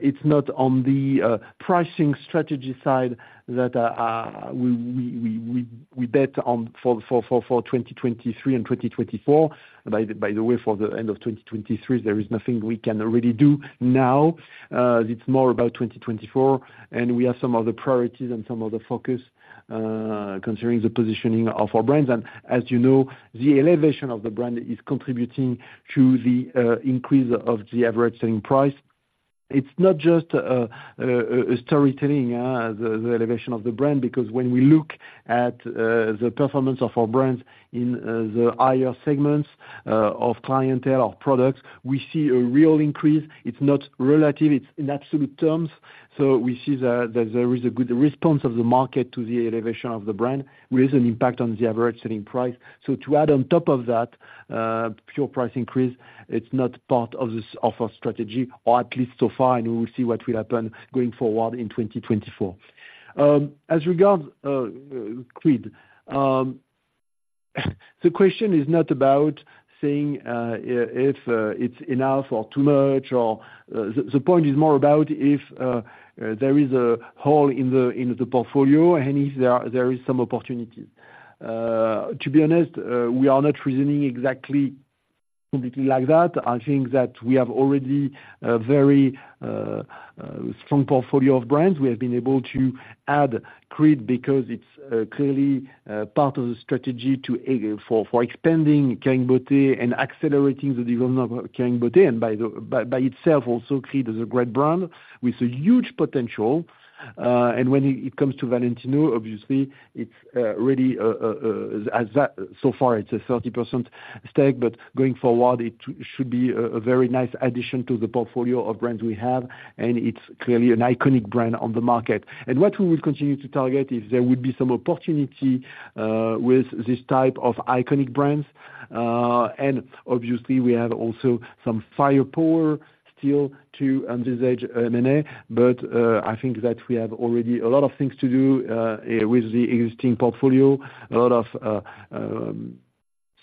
it's not on the pricing strategy side that we bet on for 2023 and 2024. By the way, for the end of 2023, there is nothing we can really do now. It's more about 2024, and we have some other priorities and some other focus, considering the positioning of our brands. And as you know, the elevation of the brand is contributing to the increase of the average selling price. It's not just a storytelling, the elevation of the brand, because when we look at the performance of our brands in the higher segments of clientele, of products, we see a real increase. It's not relative, it's in absolute terms. So we see that there is a good response of the market to the elevation of the brand, with an impact on the average selling price. So to add on top of that, pure price increase, it's not part of this, of our strategy, or at least so far, and we will see what will happen going forward in 2024. As regards Creed, the question is not about saying if it's enough or too much, or the point is more about if there is a hole in the portfolio, and if there is some opportunity. To be honest, we are not reasoning exactly completely like that. I think that we have already a very strong portfolio of brands. We have been able to add Creed because it's clearly part of the strategy to for expanding Kering Beauty and accelerating the development of Kering Beauty. And by itself also, Creed is a great brand with a huge potential. When it comes to Valentino, obviously, it's really so far a 30% stake, but going forward, it should be a very nice addition to the portfolio of brands we have, and it's clearly an iconic brand on the market. And what we will continue to target is there will be some opportunity with this type of iconic brands, and obviously, we have also some firepower still to undertake M&A. But I think that we have already a lot of things to do with the existing portfolio, a lot of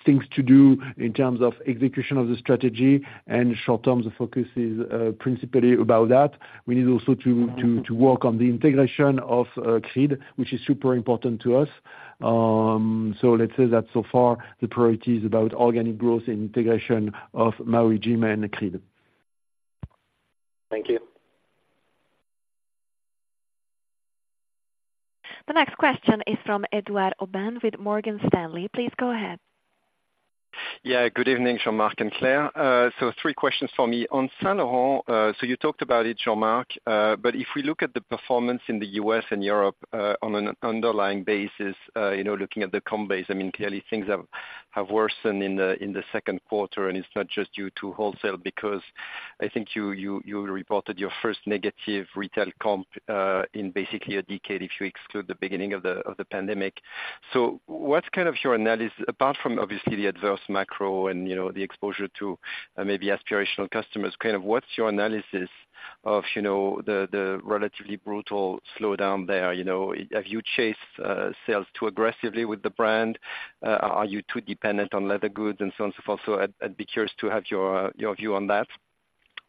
things to do in terms of execution of the strategy, and short-term, the focus is principally about that. We need also to work on the integration of Creed, which is super important to us. Let's say that so far, the priority is about organic growth and integration of Maui Jim and Creed. Thank you. The next question is from Edouard Aubin with Morgan Stanley. Please go ahead. Yeah, good evening, Jean-Marc and Claire. So three questions for me. On Saint Laurent, so you talked about it, Jean-Marc, but if we look at the performance in the U.S. and Europe, on an underlying basis, you know, looking at the comp base, I mean, clearly things have worsened in the Q2, and it's not just due to wholesale, because I think you reported your first negative retail comp in basically a decade, if you exclude the beginning of the pandemic. So what's kind of your analysis, apart from obviously the adverse macro and, you know, the exposure to maybe aspirational customers, kind of what's your analysis of the relatively brutal slowdown there, you know? Have you chased sales too aggressively with the brand? Are you too dependent on leather goods, and so on and so forth? So I'd, I'd be curious to have your, your view on that.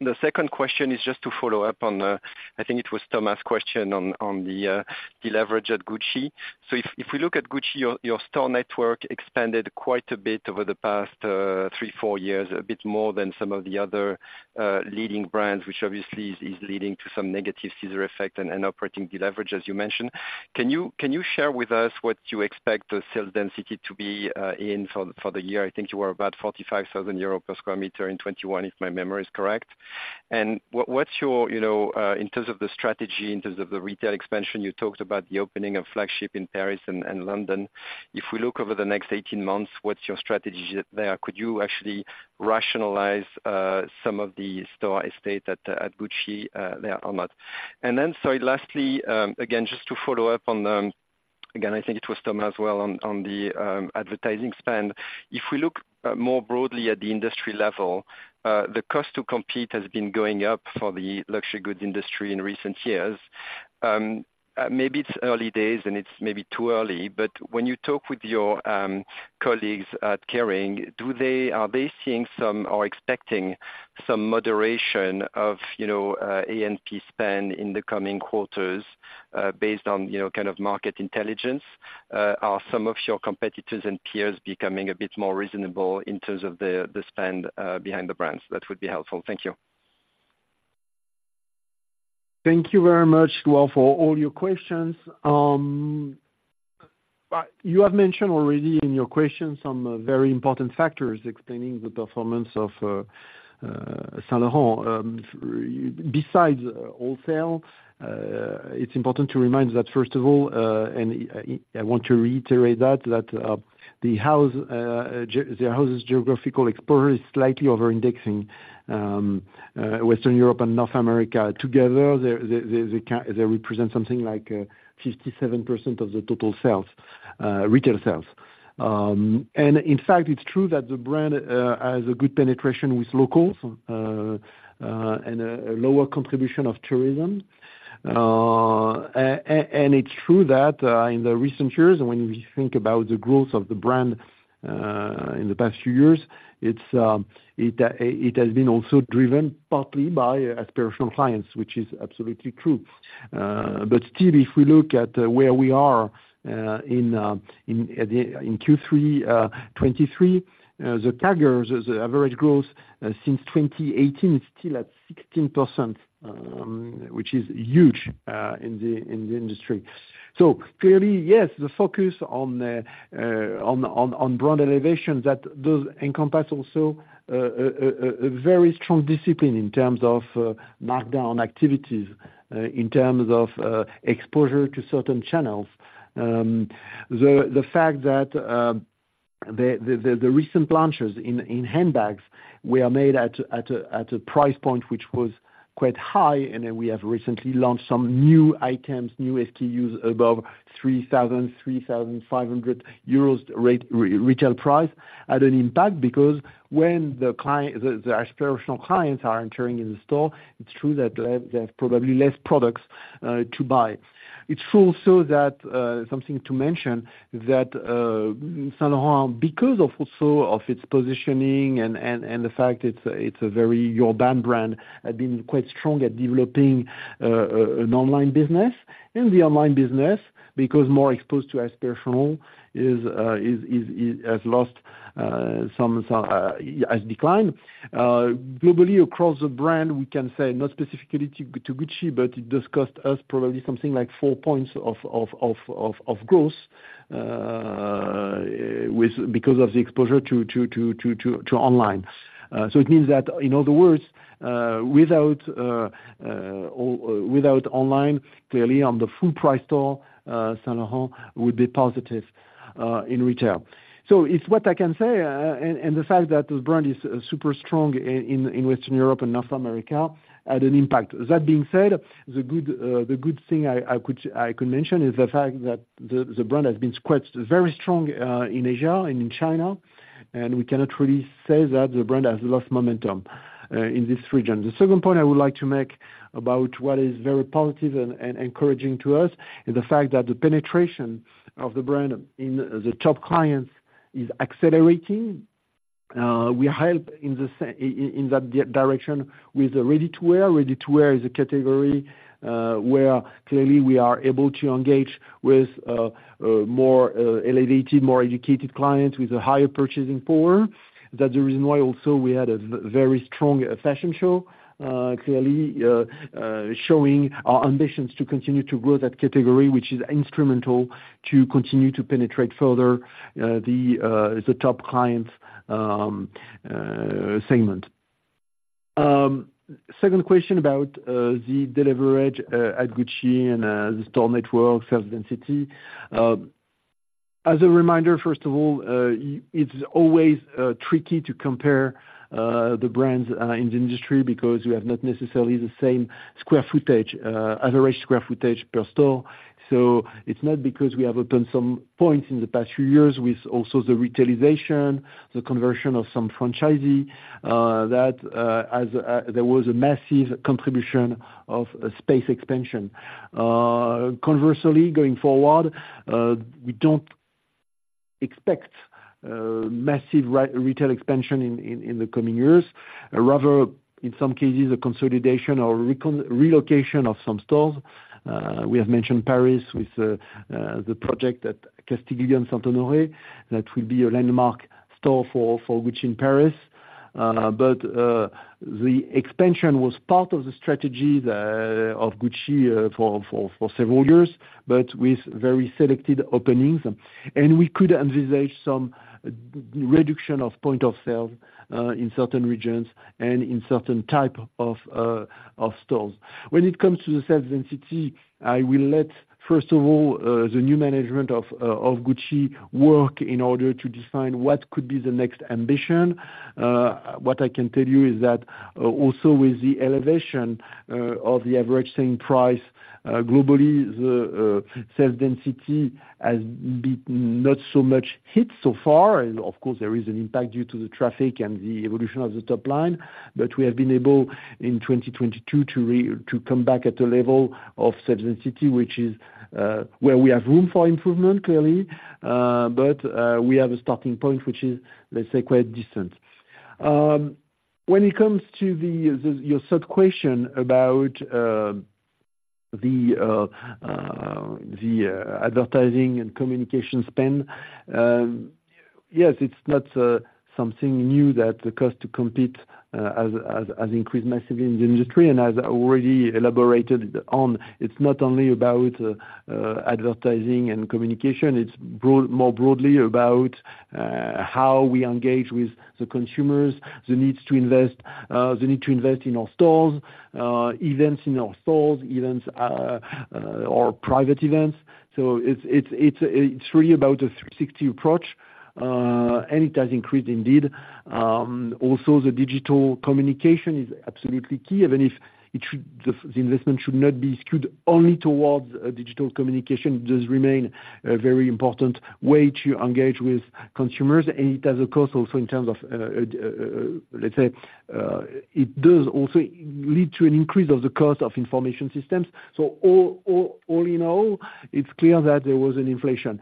The second question is just to follow up on, I think it was Thomas' question on, on the, the leverage at Gucci. So if, if we look at Gucci, your, your store network expanded quite a bit over the past, three, four years, a bit more than some of the other, leading brands, which obviously is, is leading to some negative scissor effect and, and operating deleverage, as you mentioned. Can you, can you share with us what you expect the sales density to be, in for, for the year? I think you were about 45,000 euros per square meter in 2021, if my memory is correct. What, what's your, you know, in terms of the strategy, in terms of the retail expansion, you talked about the opening of flagship in Paris and, and London. If we look over the next 18 months, what's your strategy there? Could you actually rationalize, some of the store estate at, at Gucci, there or not? And then, sorry, lastly, again, just to follow up on, again, I think it was Thomas as well on, on the, advertising spend. If we look, more broadly at the industry level, the cost to compete has been going up for the luxury goods industry in recent years. Maybe it's early days, and it's maybe too early, but when you talk with your colleagues at Kering, are they seeing some, or expecting some moderation of, you know, A&P spend in the coming quarters, based on, you know, kind of market intelligence? Are some of your competitors and peers becoming a bit more reasonable in terms of the spend behind the brands? That would be helpful. Thank you. Thank you very much, Noel, for all your questions. You have mentioned already in your question some very important factors explaining the performance of Saint Laurent. Besides wholesale, it's important to remind that first of all, and I want to reiterate that the house's geographical exposure is slightly over-indexing. Western Europe and North America together, they represent something like 57% of the total sales, retail sales. And in fact, it's true that the brand has a good penetration with locals and a lower contribution of tourism. And it's true that in the recent years, when we think about the growth of the brand, in the past few years, it has been also driven partly by aspirational clients, which is absolutely true. But still, if we look at where we are in Q3 2023, the CAGR, the average growth since 2018 is still at 16%, which is huge in the industry. So clearly, yes, the focus on brand elevation that does encompass also a very strong discipline in terms of markdown activities, in terms of exposure to certain channels. The fact that the recent launches in handbags were made at a price point which was quite high, and then we have recently launched some new items, new SKUs, above 3,000 to 3,500 retail price, had an impact, because when the aspirational clients are entering in the store, it's true that they have probably less products to buy. It's true also that something to mention that Saint Laurent, because of also of its positioning and the fact it's a very urban brand, has been quite strong at developing an online business. And the online business, because more exposed to aspirational, has declined. Globally, across the brand, we can say, not specifically to Gucci, but it does cost us probably something like four points of growth because of the exposure to online. So it means that, in other words, without online, clearly on the full price store, Saint Laurent would be positive in retail. So it's what I can say, and the fact that the brand is super strong in Western Europe and North America had an impact. That being said, the good thing I could mention is the fact that the brand has been quite very strong in Asia and in China, and we cannot really say that the brand has lost momentum in this region. The second point I would like to make about what is very positive and, and encouraging to us, is the fact that the penetration of the brand in the top clients is accelerating. We help in that direction with the ready-to-wear. Ready-to-wear is a category, where clearly we are able to engage with a more elevated, more educated client with a higher purchasing power. That's the reason why also we had a very strong fashion show, clearly showing our ambitions to continue to grow that category, which is instrumental to continue to penetrate further the top client segment. Second question about the delivery at Gucci and the store network sales density. As a reminder, first of all, it's always tricky to compare the brands in the industry, because we have not necessarily the same square footage average square footage per store. So it's not because we have opened some points in the past few years with also the retailization, the conversion of some franchisee that there was a massive contribution of space expansion. Conversely, going forward, we don't expect massive retail expansion in the coming years. Rather, in some cases, a consolidation or relocation of some stores. We have mentioned Paris with the project at Castiglione Saint-Honoré, that will be a landmark store for Gucci in Paris. But, the expansion was part of the strategy of Gucci for several years, but with very selected openings. And we could envisage some reduction of point of sale in certain regions and in certain type of stores. When it comes to the sales density, I will let, first of all, the new management of Gucci work in order to define what could be the next ambition. What I can tell you is that, also with the elevation of the average selling price, globally, the sales density has been not so much hit so far, and of course, there is an impact due to the traffic and the evolution of the top line. But we have been able, in 2022, to come back at the level of sales density, which is where we have room for improvement, clearly. We have a starting point, which is, let's say, quite distant. When it comes to your third question about the advertising and communication spend, yes, it's not something new that the cost to compete has increased massively in the industry. And as I already elaborated on, it's not only about advertising and communication, it's more broadly about how we engage with the consumers, the needs to invest, the need to invest in our stores, events in our stores, events, or private events. So it's really about a 360 approach, and it has increased indeed. Also the digital communication is absolutely key, even if the investment should not be skewed only towards digital communication, it does remain a very important way to engage with consumers. And it has a cost also in terms of, let's say, it does also lead to an increase of the cost of information systems. So all in all, it's clear that there was an inflation.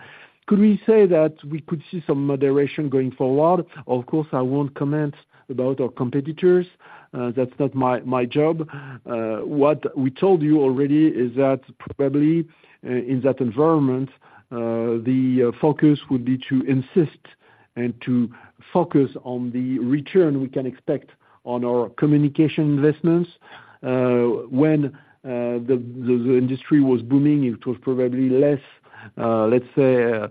Could we say that we could see some moderation going forward? Of course, I won't comment about our competitors, that's not my job. What we told you already is that probably, in that environment, the focus would be to insist and to focus on the return we can expect on our communication investments. When the industry was booming, it was probably less, let's say,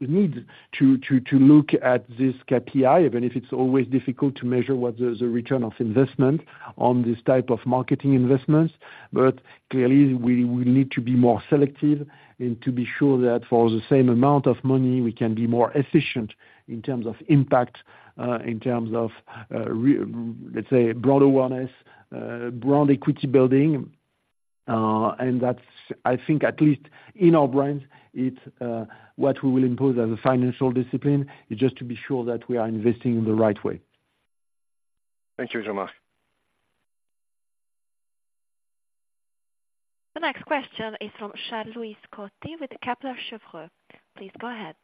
need to look at this KPI, even if it's always difficult to measure what the return of investment on this type of marketing investments. But clearly, we need to be more selective and to be sure that for the same amount of money, we can be more efficient in terms of impact, in terms of, let's say, brand awareness, brand equity building. And that's, I think, at least in our brands, it's what we will impose as a financial discipline, is just to be sure that we are investing in the right way. Thank you, Jean-Marc. The next question is from Charles-Louis Scotti with Kepler Cheuvreux. Please go ahead.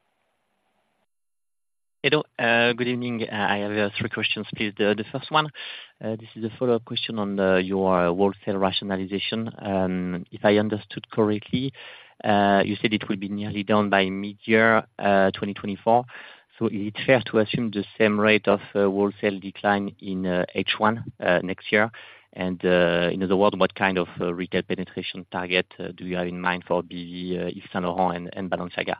Hello, good evening. I have three questions, please. The first one, this is a follow-up question on your wholesale rationalization. If I understood correctly, you said it will be nearly down by midyear, 2024. So is it fair to assume the same rate of wholesale decline in H1 next year? And in other word, what kind of retail penetration target do you have in mind for BV, Yves Saint Laurent, and Balenciaga?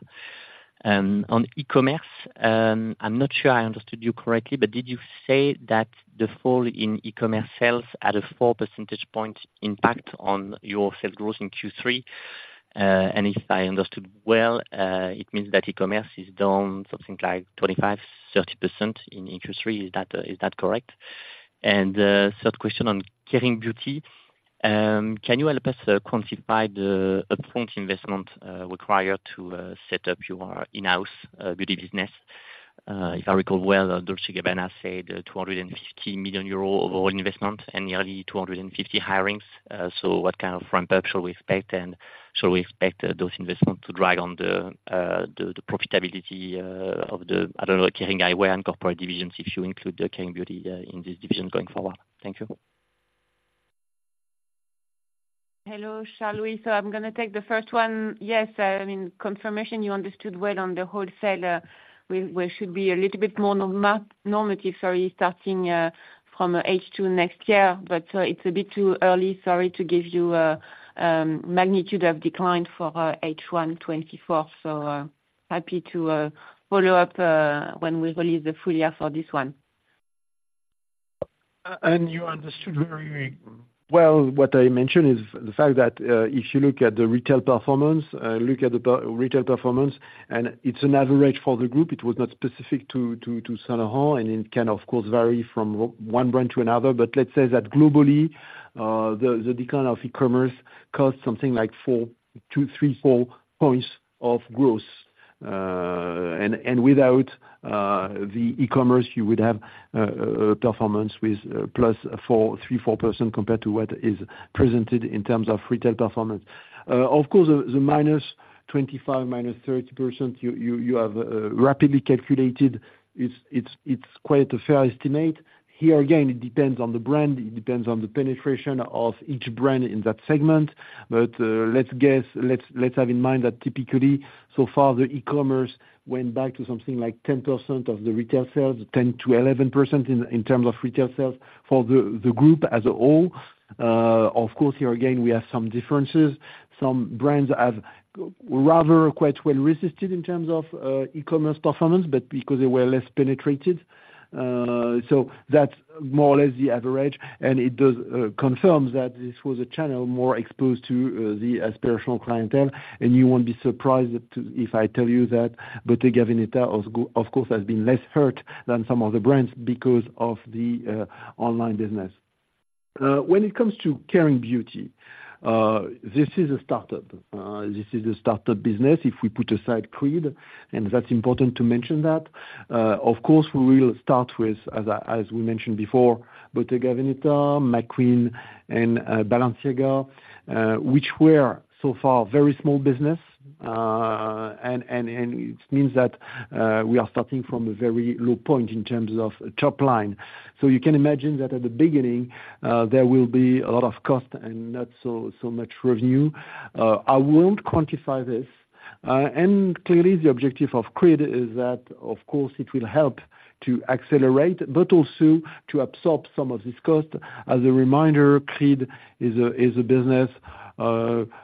On e-commerce, I'm not sure I understood you correctly, but did you say that the fall in e-commerce sales had a four percentage point impact on your sales growth in Q3? And if I understood well, it means that e-commerce is down something like 25% to 30% in Q3. Is that correct? Third question on Kering Beauté, can you help us quantify the upfront investment required to set up your in-house beauty business? If I recall well, Dolce & Gabbana said, 250 million euro overall investment, and nearly 250 hirings. So what kind of ramp up should we expect, and should we expect those investments to drag on the profitability of the, I don't know, Kering Eyewear and corporate divisions, if you include the Kering Beauté in this division going forward? Thank you. Hello, Charles-Louis. So I'm gonna take the first one. Yes, I mean, confirmation, you understood well on the wholesale. We should be a little bit more normative, sorry, starting from H2 next year. But it's a bit too early, sorry, to give you magnitude of decline for H1 2024. So happy to follow up when we release the full year for this one. You understood very well, what I mentioned is the fact that if you look at the retail performance, look at the retail performance, and it's an average for the group, it was not specific to Saint Laurent, and it can of course vary from one brand to another. But let's say that globally, the decline of e-commerce costs something like 4.2-3.4 points of growth. And without the e-commerce, you would have a performance with +4.3% to 4% compared to what is presented in terms of retail performance. Of course, the -25%, -30%, you have rapidly calculated, it's quite a fair estimate. Here again, it depends on the brand, it depends on the penetration of each brand in that segment. But let's have in mind that typically, so far, the e-commerce went back to something like 10% of the retail sales, 10% to 11% in terms of retail sales for the group as a whole. Of course, here again, we have some differences. Some brands have rather quite well resisted in terms of e-commerce performance, but because they were less penetrated. So that's more or less the average, and it does confirm that this was a channel more exposed to the aspirational clientele, and you won't be surprised to, if I tell you that Bottega Veneta also, of course, has been less hurt than some of the brands because of the online business. When it comes to Kering Beauty, this is a startup. This is a startup business, if we put aside Creed, and that's important to mention that. Of course, we will start with, as we mentioned before, Bottega Veneta, McQueen, and Balenciaga, which were, so far, very small business. It means that we are starting from a very low point in terms of top line. So you can imagine that at the beginning, there will be a lot of cost and not so much revenue. I won't quantify this. Clearly, the objective of Creed is that, of course, it will help to accelerate, but also to absorb some of this cost. As a reminder, Creed is a business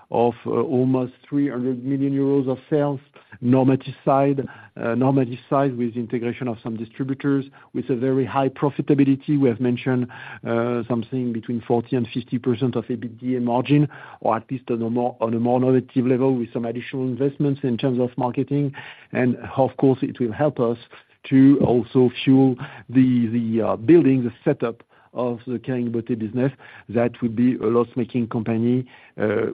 of almost 300 million euros of sales, normative side with integration of some distributors, with a very high profitability. We have mentioned something between 40% and 50% of EBITDA margin, or at least on a more normative level, with some additional investments in terms of marketing. And of course, it will help us to also fuel the building, the setup of the Kering Beauty business. That would be a loss-making company,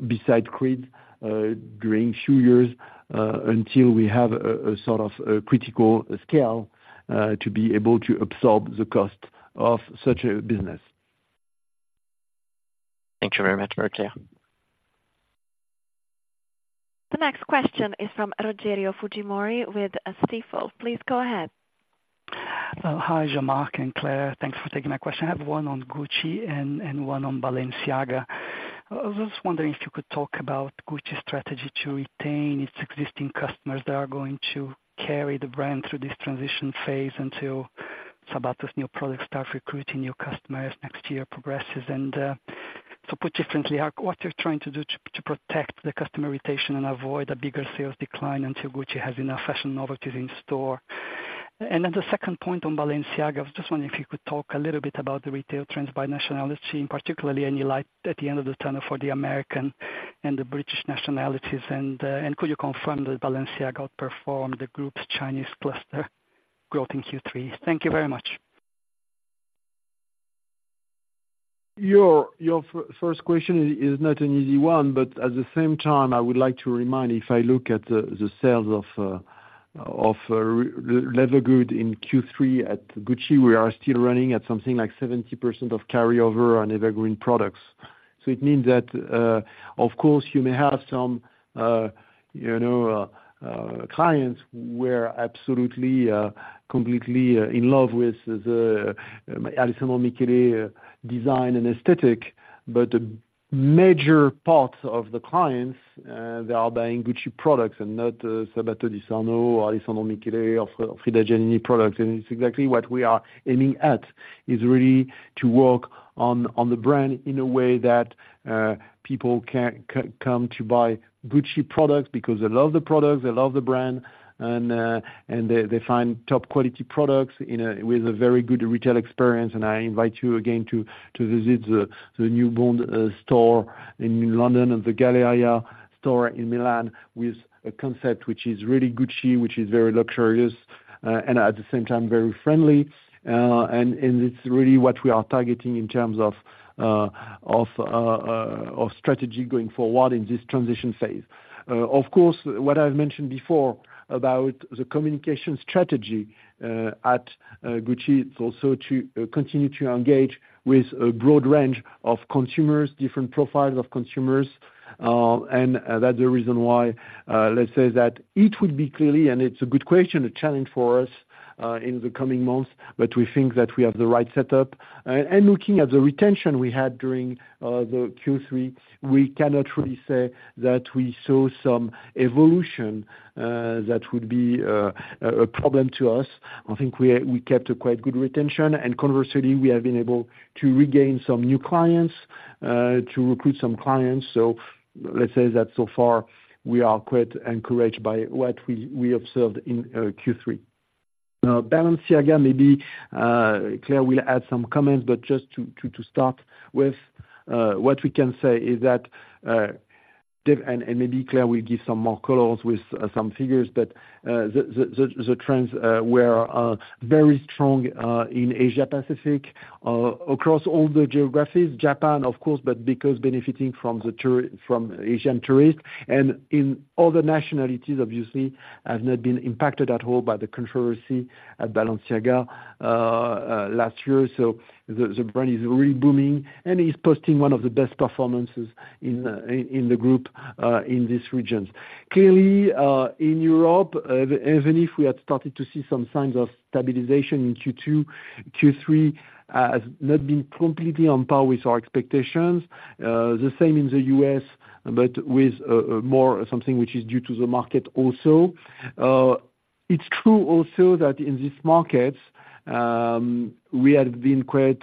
beside Creed, during two years, until we have a sort of critical scale, to be able to absorb the cost of such a business. Thank you very much, François. The next question is from Rogerio Fujimori with Stifel. Please go ahead. Hi, Jean-Marc and Claire, thanks for taking my question. I have one on Gucci and one on Balenciaga. I was just wondering if you could talk about Gucci's strategy to retain its existing customers that are going to carry the brand through this transition phase, until some of those new products start recruiting new customers next year progresses. So put differently, what you're trying to do to protect the customer retention and avoid a bigger sales decline until Gucci has enough fashion novelties in store? And then the second point on Balenciaga, I was just wondering if you could talk a little bit about the retail trends by nationality, and particularly any light at the end of the tunnel for the American and the British nationalities. And could you confirm that Balenciaga outperformed the group's Chinese cluster growth in Q3? Thank you very much. Your first question is not an easy one, but at the same time, I would like to remind you, if I look at the sales of leather goods in Q3 at Gucci, we are still running at something like 70% of carryover on evergreen products. So it means that, of course, you may have some, you know, clients were absolutely, completely, in love with the Alessandro Michele design and aesthetic, but major parts of the clients, they are buying Gucci products and not Sabato De Sarno or Alessandro Michele or Frida Giannini products. It's exactly what we are aiming at, is really to work on the brand in a way that people come to buy Gucci products, because they love the products, they love the brand, and they find top quality products with a very good retail experience. I invite you again to visit the New Bond Street store in London and the Galleria store in Milan, with a concept which is really Gucci, which is very luxurious, and at the same time, very friendly. It's really what we are targeting in terms of strategy going forward in this transition phase. Of course, what I've mentioned before about the communication strategy at Gucci, it's also to continue to engage with a broad range of consumers, different profiles of consumers. And that's the reason why, let's say that it would be clearly, and it's a good question, a challenge for us in the coming months, but we think that we have the right setup. And looking at the retention we had during the Q3, we cannot really say that we saw some evolution that would be a problem to us. I think we kept a quite good retention, and conversely, we have been able to regain some new clients to recruit some clients, so let's say that so far, we are quite encouraged by what we observed in Q3. Balenciaga, maybe Claire will add some comments, but just to start with, what we can say is that Demna and maybe Claire will give some more colors with some figures, but the trends were very strong in Asia Pacific across all the geographies, Japan of course, but benefiting from Asian tourists, and in all the nationalities obviously have not been impacted at all by the controversy at Balenciaga last year. So the brand is re-booming, and is posting one of the best performances in the group in these regions. Clearly, in Europe, even if we had started to see some signs of stabilization in Q2, Q3 has not been completely on par with our expectations. The same in the US, but with more something which is due to the market also. It's true also that in this markets, we have been quite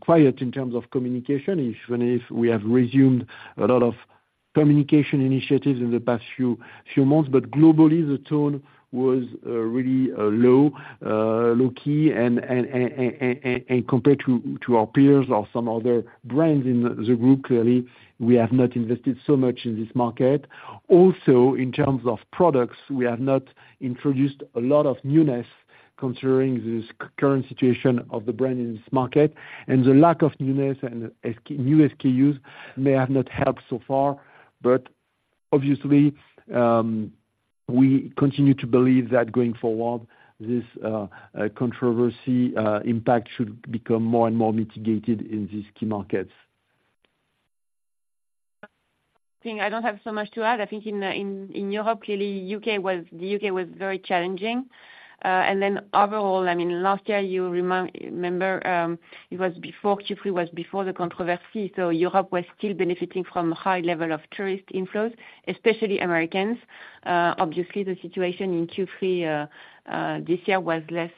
quiet in terms of communication, even if we have resumed a lot of communication initiatives in the past few months. But globally, the tone was really low key and compared to our peers or some other brands in the group, clearly, we have not invested so much in this market. Also, in terms of products, we have not introduced a lot of newness considering this current situation of the brand in this market, and the lack of newness and new SKUs may have not helped so far, but obviously, we continue to believe that going forward, this controversy impact should become more and more mitigated in these key markets. Think I don't have so much to add. I think in Europe, clearly, the U.K. was very challenging. And then overall, I mean, last year, you remember, it was before Q3 was before the controversy, so Europe was still benefiting from high level of tourist inflows, especially Americans. Obviously, the situation in Q3 this year was less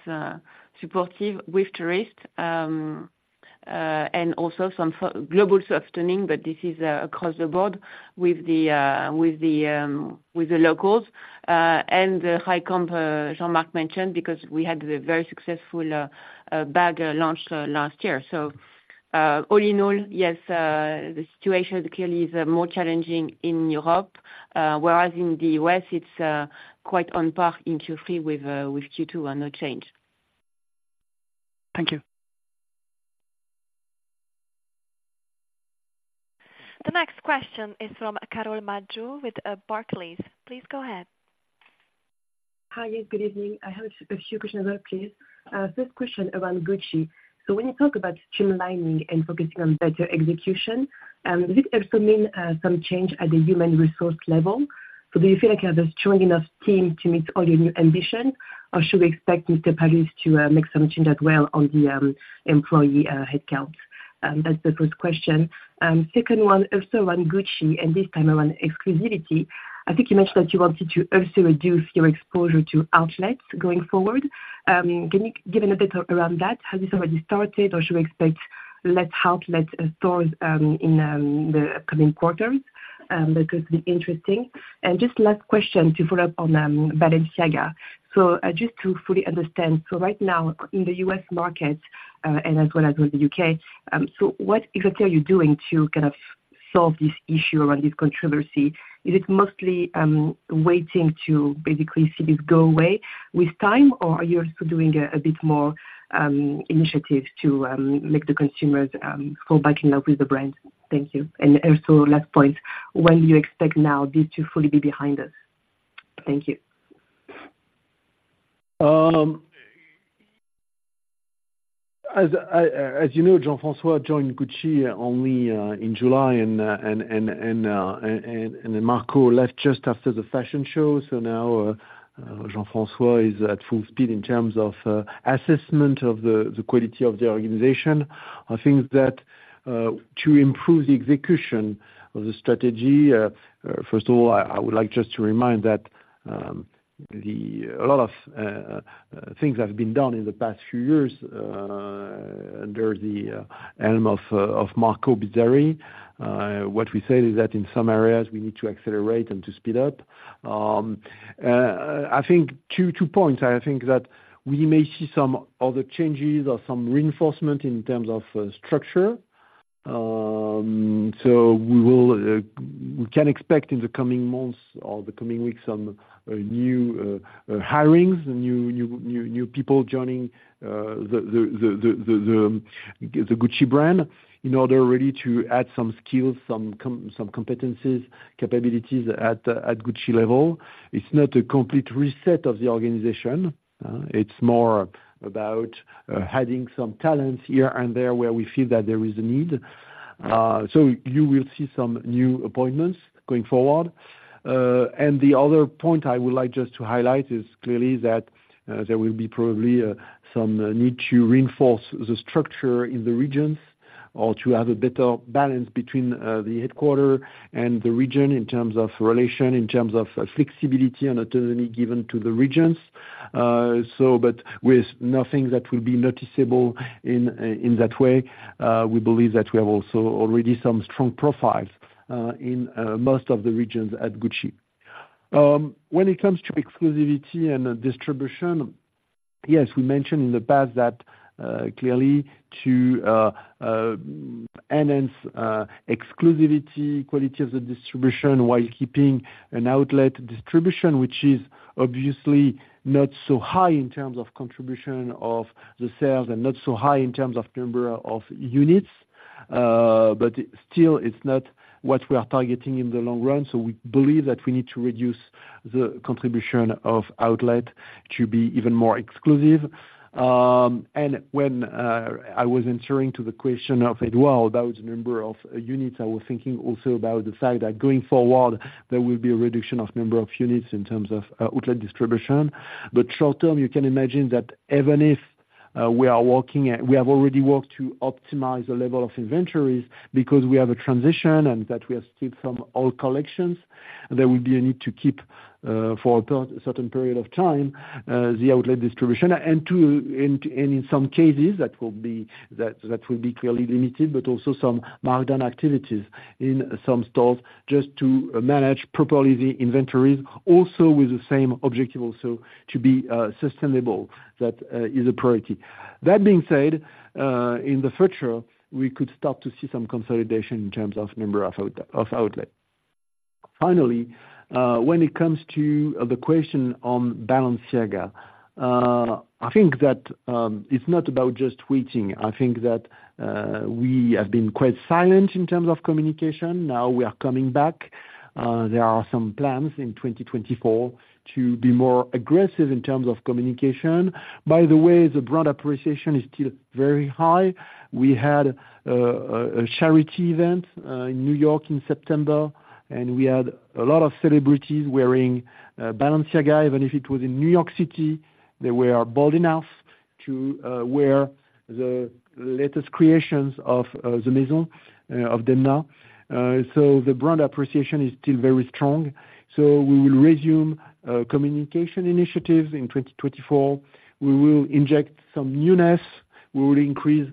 supportive with tourists. And also some global softening, but this is across the board with the locals. And the high comp Jean-Marc mentioned, because we had the very successful bag launch last year. All in all, yes, the situation clearly is more challenging in Europe, whereas in the U.S., it's quite on par in Q3 with Q2 and no change. Thank you. The next question is from Carole Madjo, with Barclays, please go ahead. Hi, good evening. I have a few questions please. First question around Gucci. So when you talk about streamlining and focusing on better execution, does this also mean some change at the human resource level? So do you feel like you have a strong enough team to meet all your new ambition, or should we expect Mr. Palus to make some change as well on the employee headcount? That's the first question. Second one, also on Gucci, and this time around exclusivity. I think you mentioned that you wanted to also reduce your exposure to outlets going forward. Can you give a little around that, has this already started, or should we expect less outlet stores in the coming quarters? That would be interesting. And just last question to follow up on Balenciaga. So, just to fully understand, so right now in the U.S. market, and as well as in the U.K., so what exactly are you doing to kind of solve this issue around this controversy? Is it mostly waiting to basically see this go away with time, or are you also doing a bit more initiatives to make the consumers fall back in love with the brand? Thank you. And also last point, when you expect now this to fully be behind us? Thank you. As you know, Jean-François joined Gucci only in July, and Marco left just after the fashion show. So now, Jean-François is at full speed in terms of assessment of the quality of the organization. I think that to improve the execution of the strategy, first of all, I would like just to remind that a lot of things have been done in the past few years under the helm of Marco Bizzarri. What we said is that in some areas, we need to accelerate and to speed up. I think two points, I think that we may see some other changes or some reinforcement in terms of structure. So we will, we can expect in the coming months or the coming weeks, some new hirings, new people joining, the Gucci brand, in order really to add some skills, some competencies, capabilities at Gucci level. It's not a complete reset of the organization. It's more about adding some talents here and there where we feel that there is a need. So you will see some new appointments going forward. And the other point I would like just to highlight is clearly that there will be probably some need to reinforce the structure in the regions or to have a better balance between the headquarters and the region in terms of relation, in terms of flexibility and autonomy given to the regions. So, but with nothing that will be noticeable in that way, we believe that we have also already some strong profiles in most of the regions at Gucci. When it comes to exclusivity and distribution, yes, we mentioned in the past that clearly to enhance exclusivity, quality of the distribution, while keeping an outlet distribution, which is obviously not so high in terms of contribution of the sales and not so high in terms of number of units, but still, it's not what we are targeting in the long run, so we believe that we need to reduce the contribution of outlet to be even more exclusive. When I was answering the question of Edouard about the number of units, I was thinking also about the fact that going forward, there will be a reduction of number of units in terms of outlet distribution. But short term, you can imagine that even if we are working and we have already worked to optimize the level of inventories, because we have a transition and that we are still from all collections, there will be a need to keep for a certain period of time the outlet distribution, and in some cases, that will be clearly limited, but also some markdown activities in some stores, just to manage properly the inventories, also with the same objective, also to be sustainable. That is a priority. That being said, in the future, we could start to see some consolidation in terms of number of outlets. Finally, when it comes to the question on Balenciaga, I think that, it's not about just waiting. I think that, we have been quite silent in terms of communication, now we are coming back. There are some plans in 2024 to be more aggressive in terms of communication. By the way, the brand appreciation is still very high. We had a charity event in New York in September, and we had a lot of celebrities wearing Balenciaga, even if it was in New York City, they were bold enough to wear the latest creations of the Maison of Demna. So the brand appreciation is still very strong, so we will resume communication initiatives in 2024. We will inject some newness. We will increase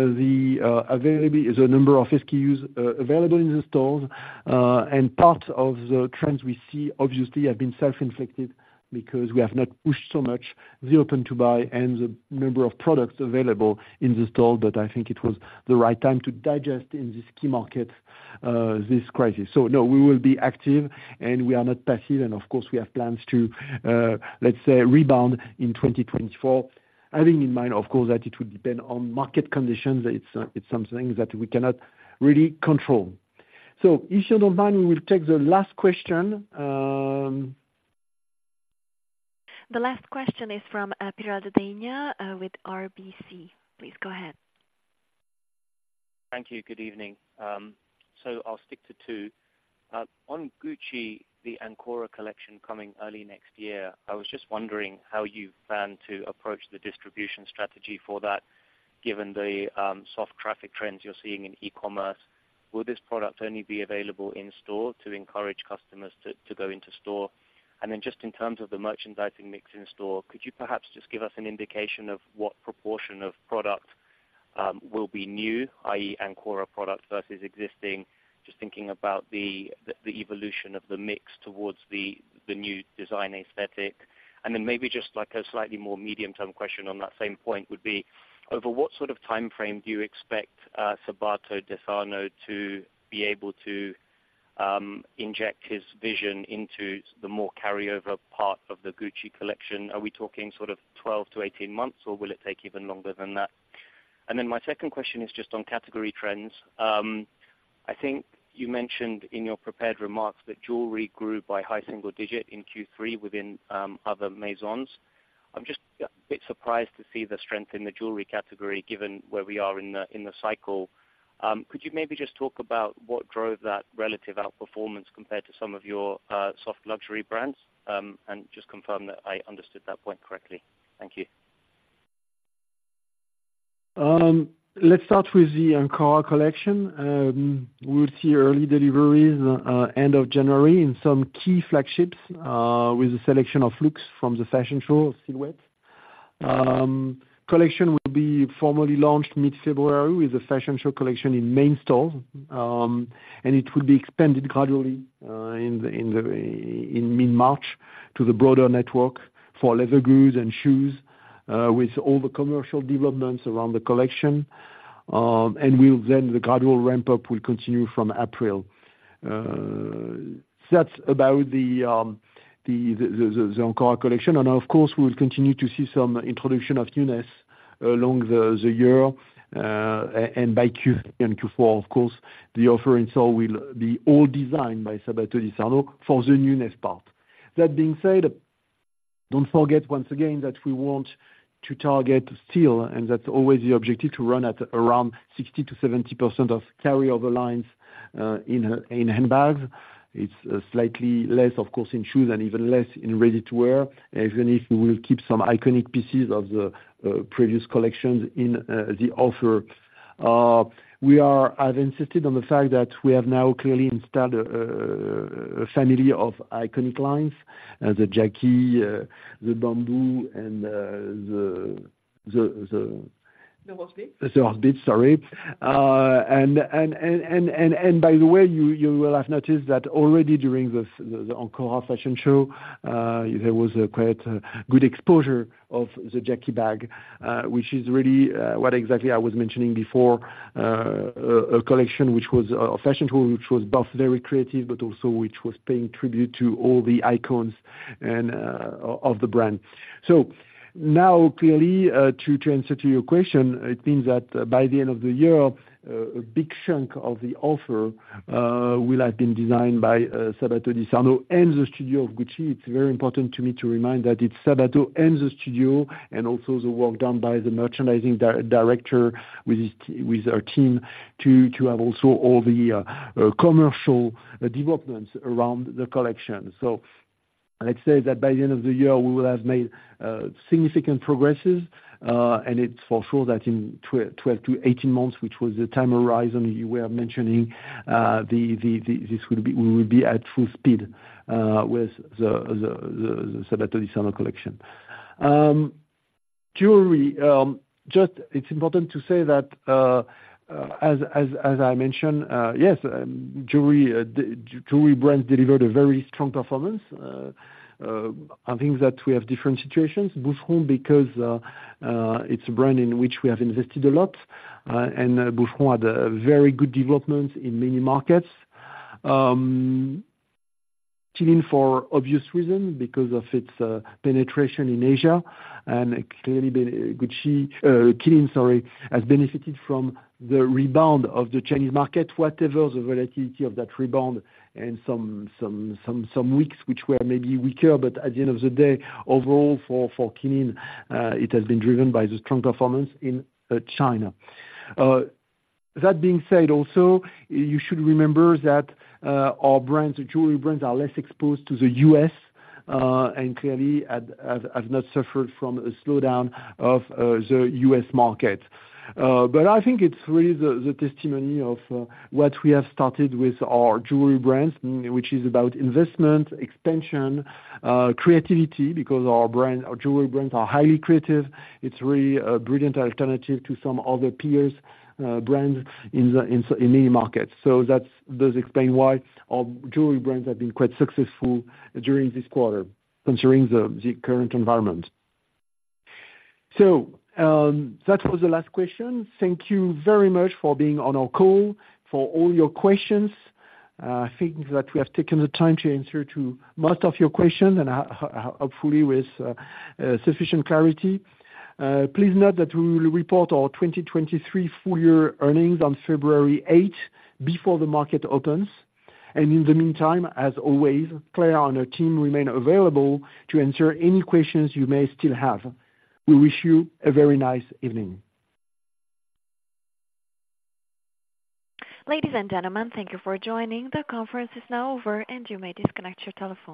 the number of SKUs available in the stores. And part of the trends we see, obviously, have been self-inflicted, because we have not pushed so much the Open to Buy and the number of products available in the store, but I think it was the right time to digest in the key markets this crisis. So no, we will be active, and we are not passive, and of course, we have plans to, let's say, rebound in 2024. Having in mind, of course, that it will depend on market conditions, it's something that we cannot really control. So if you don't mind, we will take the last question. The last question is from Piral Dadhania with RBC. Please go ahead. Thank you, good evening. So I'll stick to two. On Gucci, the Ancora collection coming early next year, I was just wondering how you plan to approach the distribution strategy for that, given the soft traffic trends you're seeing in e-commerce. Will this product only be available in store to encourage customers to go into store? And then just in terms of the merchandising mix in store, could you perhaps just give us an indication of what proportion of product will be new, i.e., Ancora products versus existing? Just thinking about the evolution of the mix towards the new design aesthetic. And then maybe just, like, a slightly more medium-term question on that same point would be: Over what sort of timeframe do you expect Sabato De Sarno to be able to inject his vision into the more carryover part of the Gucci collection? Are we talking sort of 12 to 18 months, or will it take even longer than that? And then my second question is just on category trends. I think you mentioned in your prepared remarks that jewelry grew by high single digit in Q3 within other Maisons. I'm just a bit surprised to see the strength in the jewelry category, given where we are in the cycle. Could you maybe just talk about what drove that relative outperformance compared to some of your soft luxury brands? And just confirm that I understood that point correctly. Thank you. Let's start with the Ancora collection. We'll see early deliveries end of January in some key flagships with a selection of looks from the fashion show silhouette. Collection will be formally launched mid-February with a fashion show collection in main store. And it will be expanded gradually in mid-March to the broader network for leather goods and shoes with all the commercial developments around the collection. The gradual ramp-up will continue from April. That's about the Ancora collection, and of course, we'll continue to see some introduction of newness along the year, and by Q4, of course, the offer in store will be all designed by Sabato De Sarno for the newness part. That being said, don't forget, once again, that we want to target still, and that's always the objective, to run at around 60% to 70% of carryover lines in handbags, it's slightly less, of course, in shoes and even less in ready-to-wear, even if we will keep some iconic pieces of the previous collections in the offer. I've insisted on the fact that we have now clearly installed a family of iconic lines, the Jackie, the Bamboo, and the. The Horsebit. The Horsebit, sorry. By the way, you will have noticed that already during the the Ancora fashion show, there was a quite good exposure of the Jackie bag, which is really what exactly I was mentioning before, a collection which was a fashion show, which was both very creative, but also which was paying tribute to all the icons and of the brand. So now, clearly, to answer to your question, it means that by the end of the year, a big chunk of the offer will have been designed by Sabato De Sarno and the studio of Gucci. It's very important to me to remind that it's Sabato and the studio, and also the work done by the merchandising director with our team, to have also all the commercial developments around the collection. So let's say that by the end of the year, we will have made significant progresses. And it's for sure that in 12 to 18 months, which was the time horizon you were mentioning, this will be, we will be at full speed with the Sabato De Sarno collection. Jewelry, just it's important to say that, as I mentioned, yes, jewelry brands delivered a very strong performance. I think that we have different situations, Boucheron, because it's a brand in which we have invested a lot. Boucheron had a very good development in many markets. Qeelin, for obvious reason, because of its penetration in Asia, and clearly, Qeelin, sorry, has benefited from the rebound of the Chinese market, whatever the volatility of that rebound, and some weeks, which were maybe weaker. But at the end of the day, overall, for Qeelin, it has been driven by the strong performance in China. That being said, also, you should remember that our brands, the jewelry brands, are less exposed to the U.S., and clearly have not suffered from a slowdown of the U.S. market. But I think it's really the testimony of what we have started with our jewelry brands, which is about investment, expansion, creativity, because our brand, our jewelry brands are highly creative. It's really a brilliant alternative to some other peers, brands in many markets. So that does explain why our jewelry brands have been quite successful during this quarter, considering the current environment. So that was the last question. Thank you very much for being on our call, for all your questions. I think that we have taken the time to answer to most of your questions, and hopefully with sufficient clarity. Please note that we will report our 2023 full year earnings on February eighth, before the market opens. In the meantime, as always, Claire and her team remain available to answer any questions you may still have. We wish you a very nice evening. Ladies and gentlemen, thank you for joining. The conference is now over, and you may disconnect your telephone.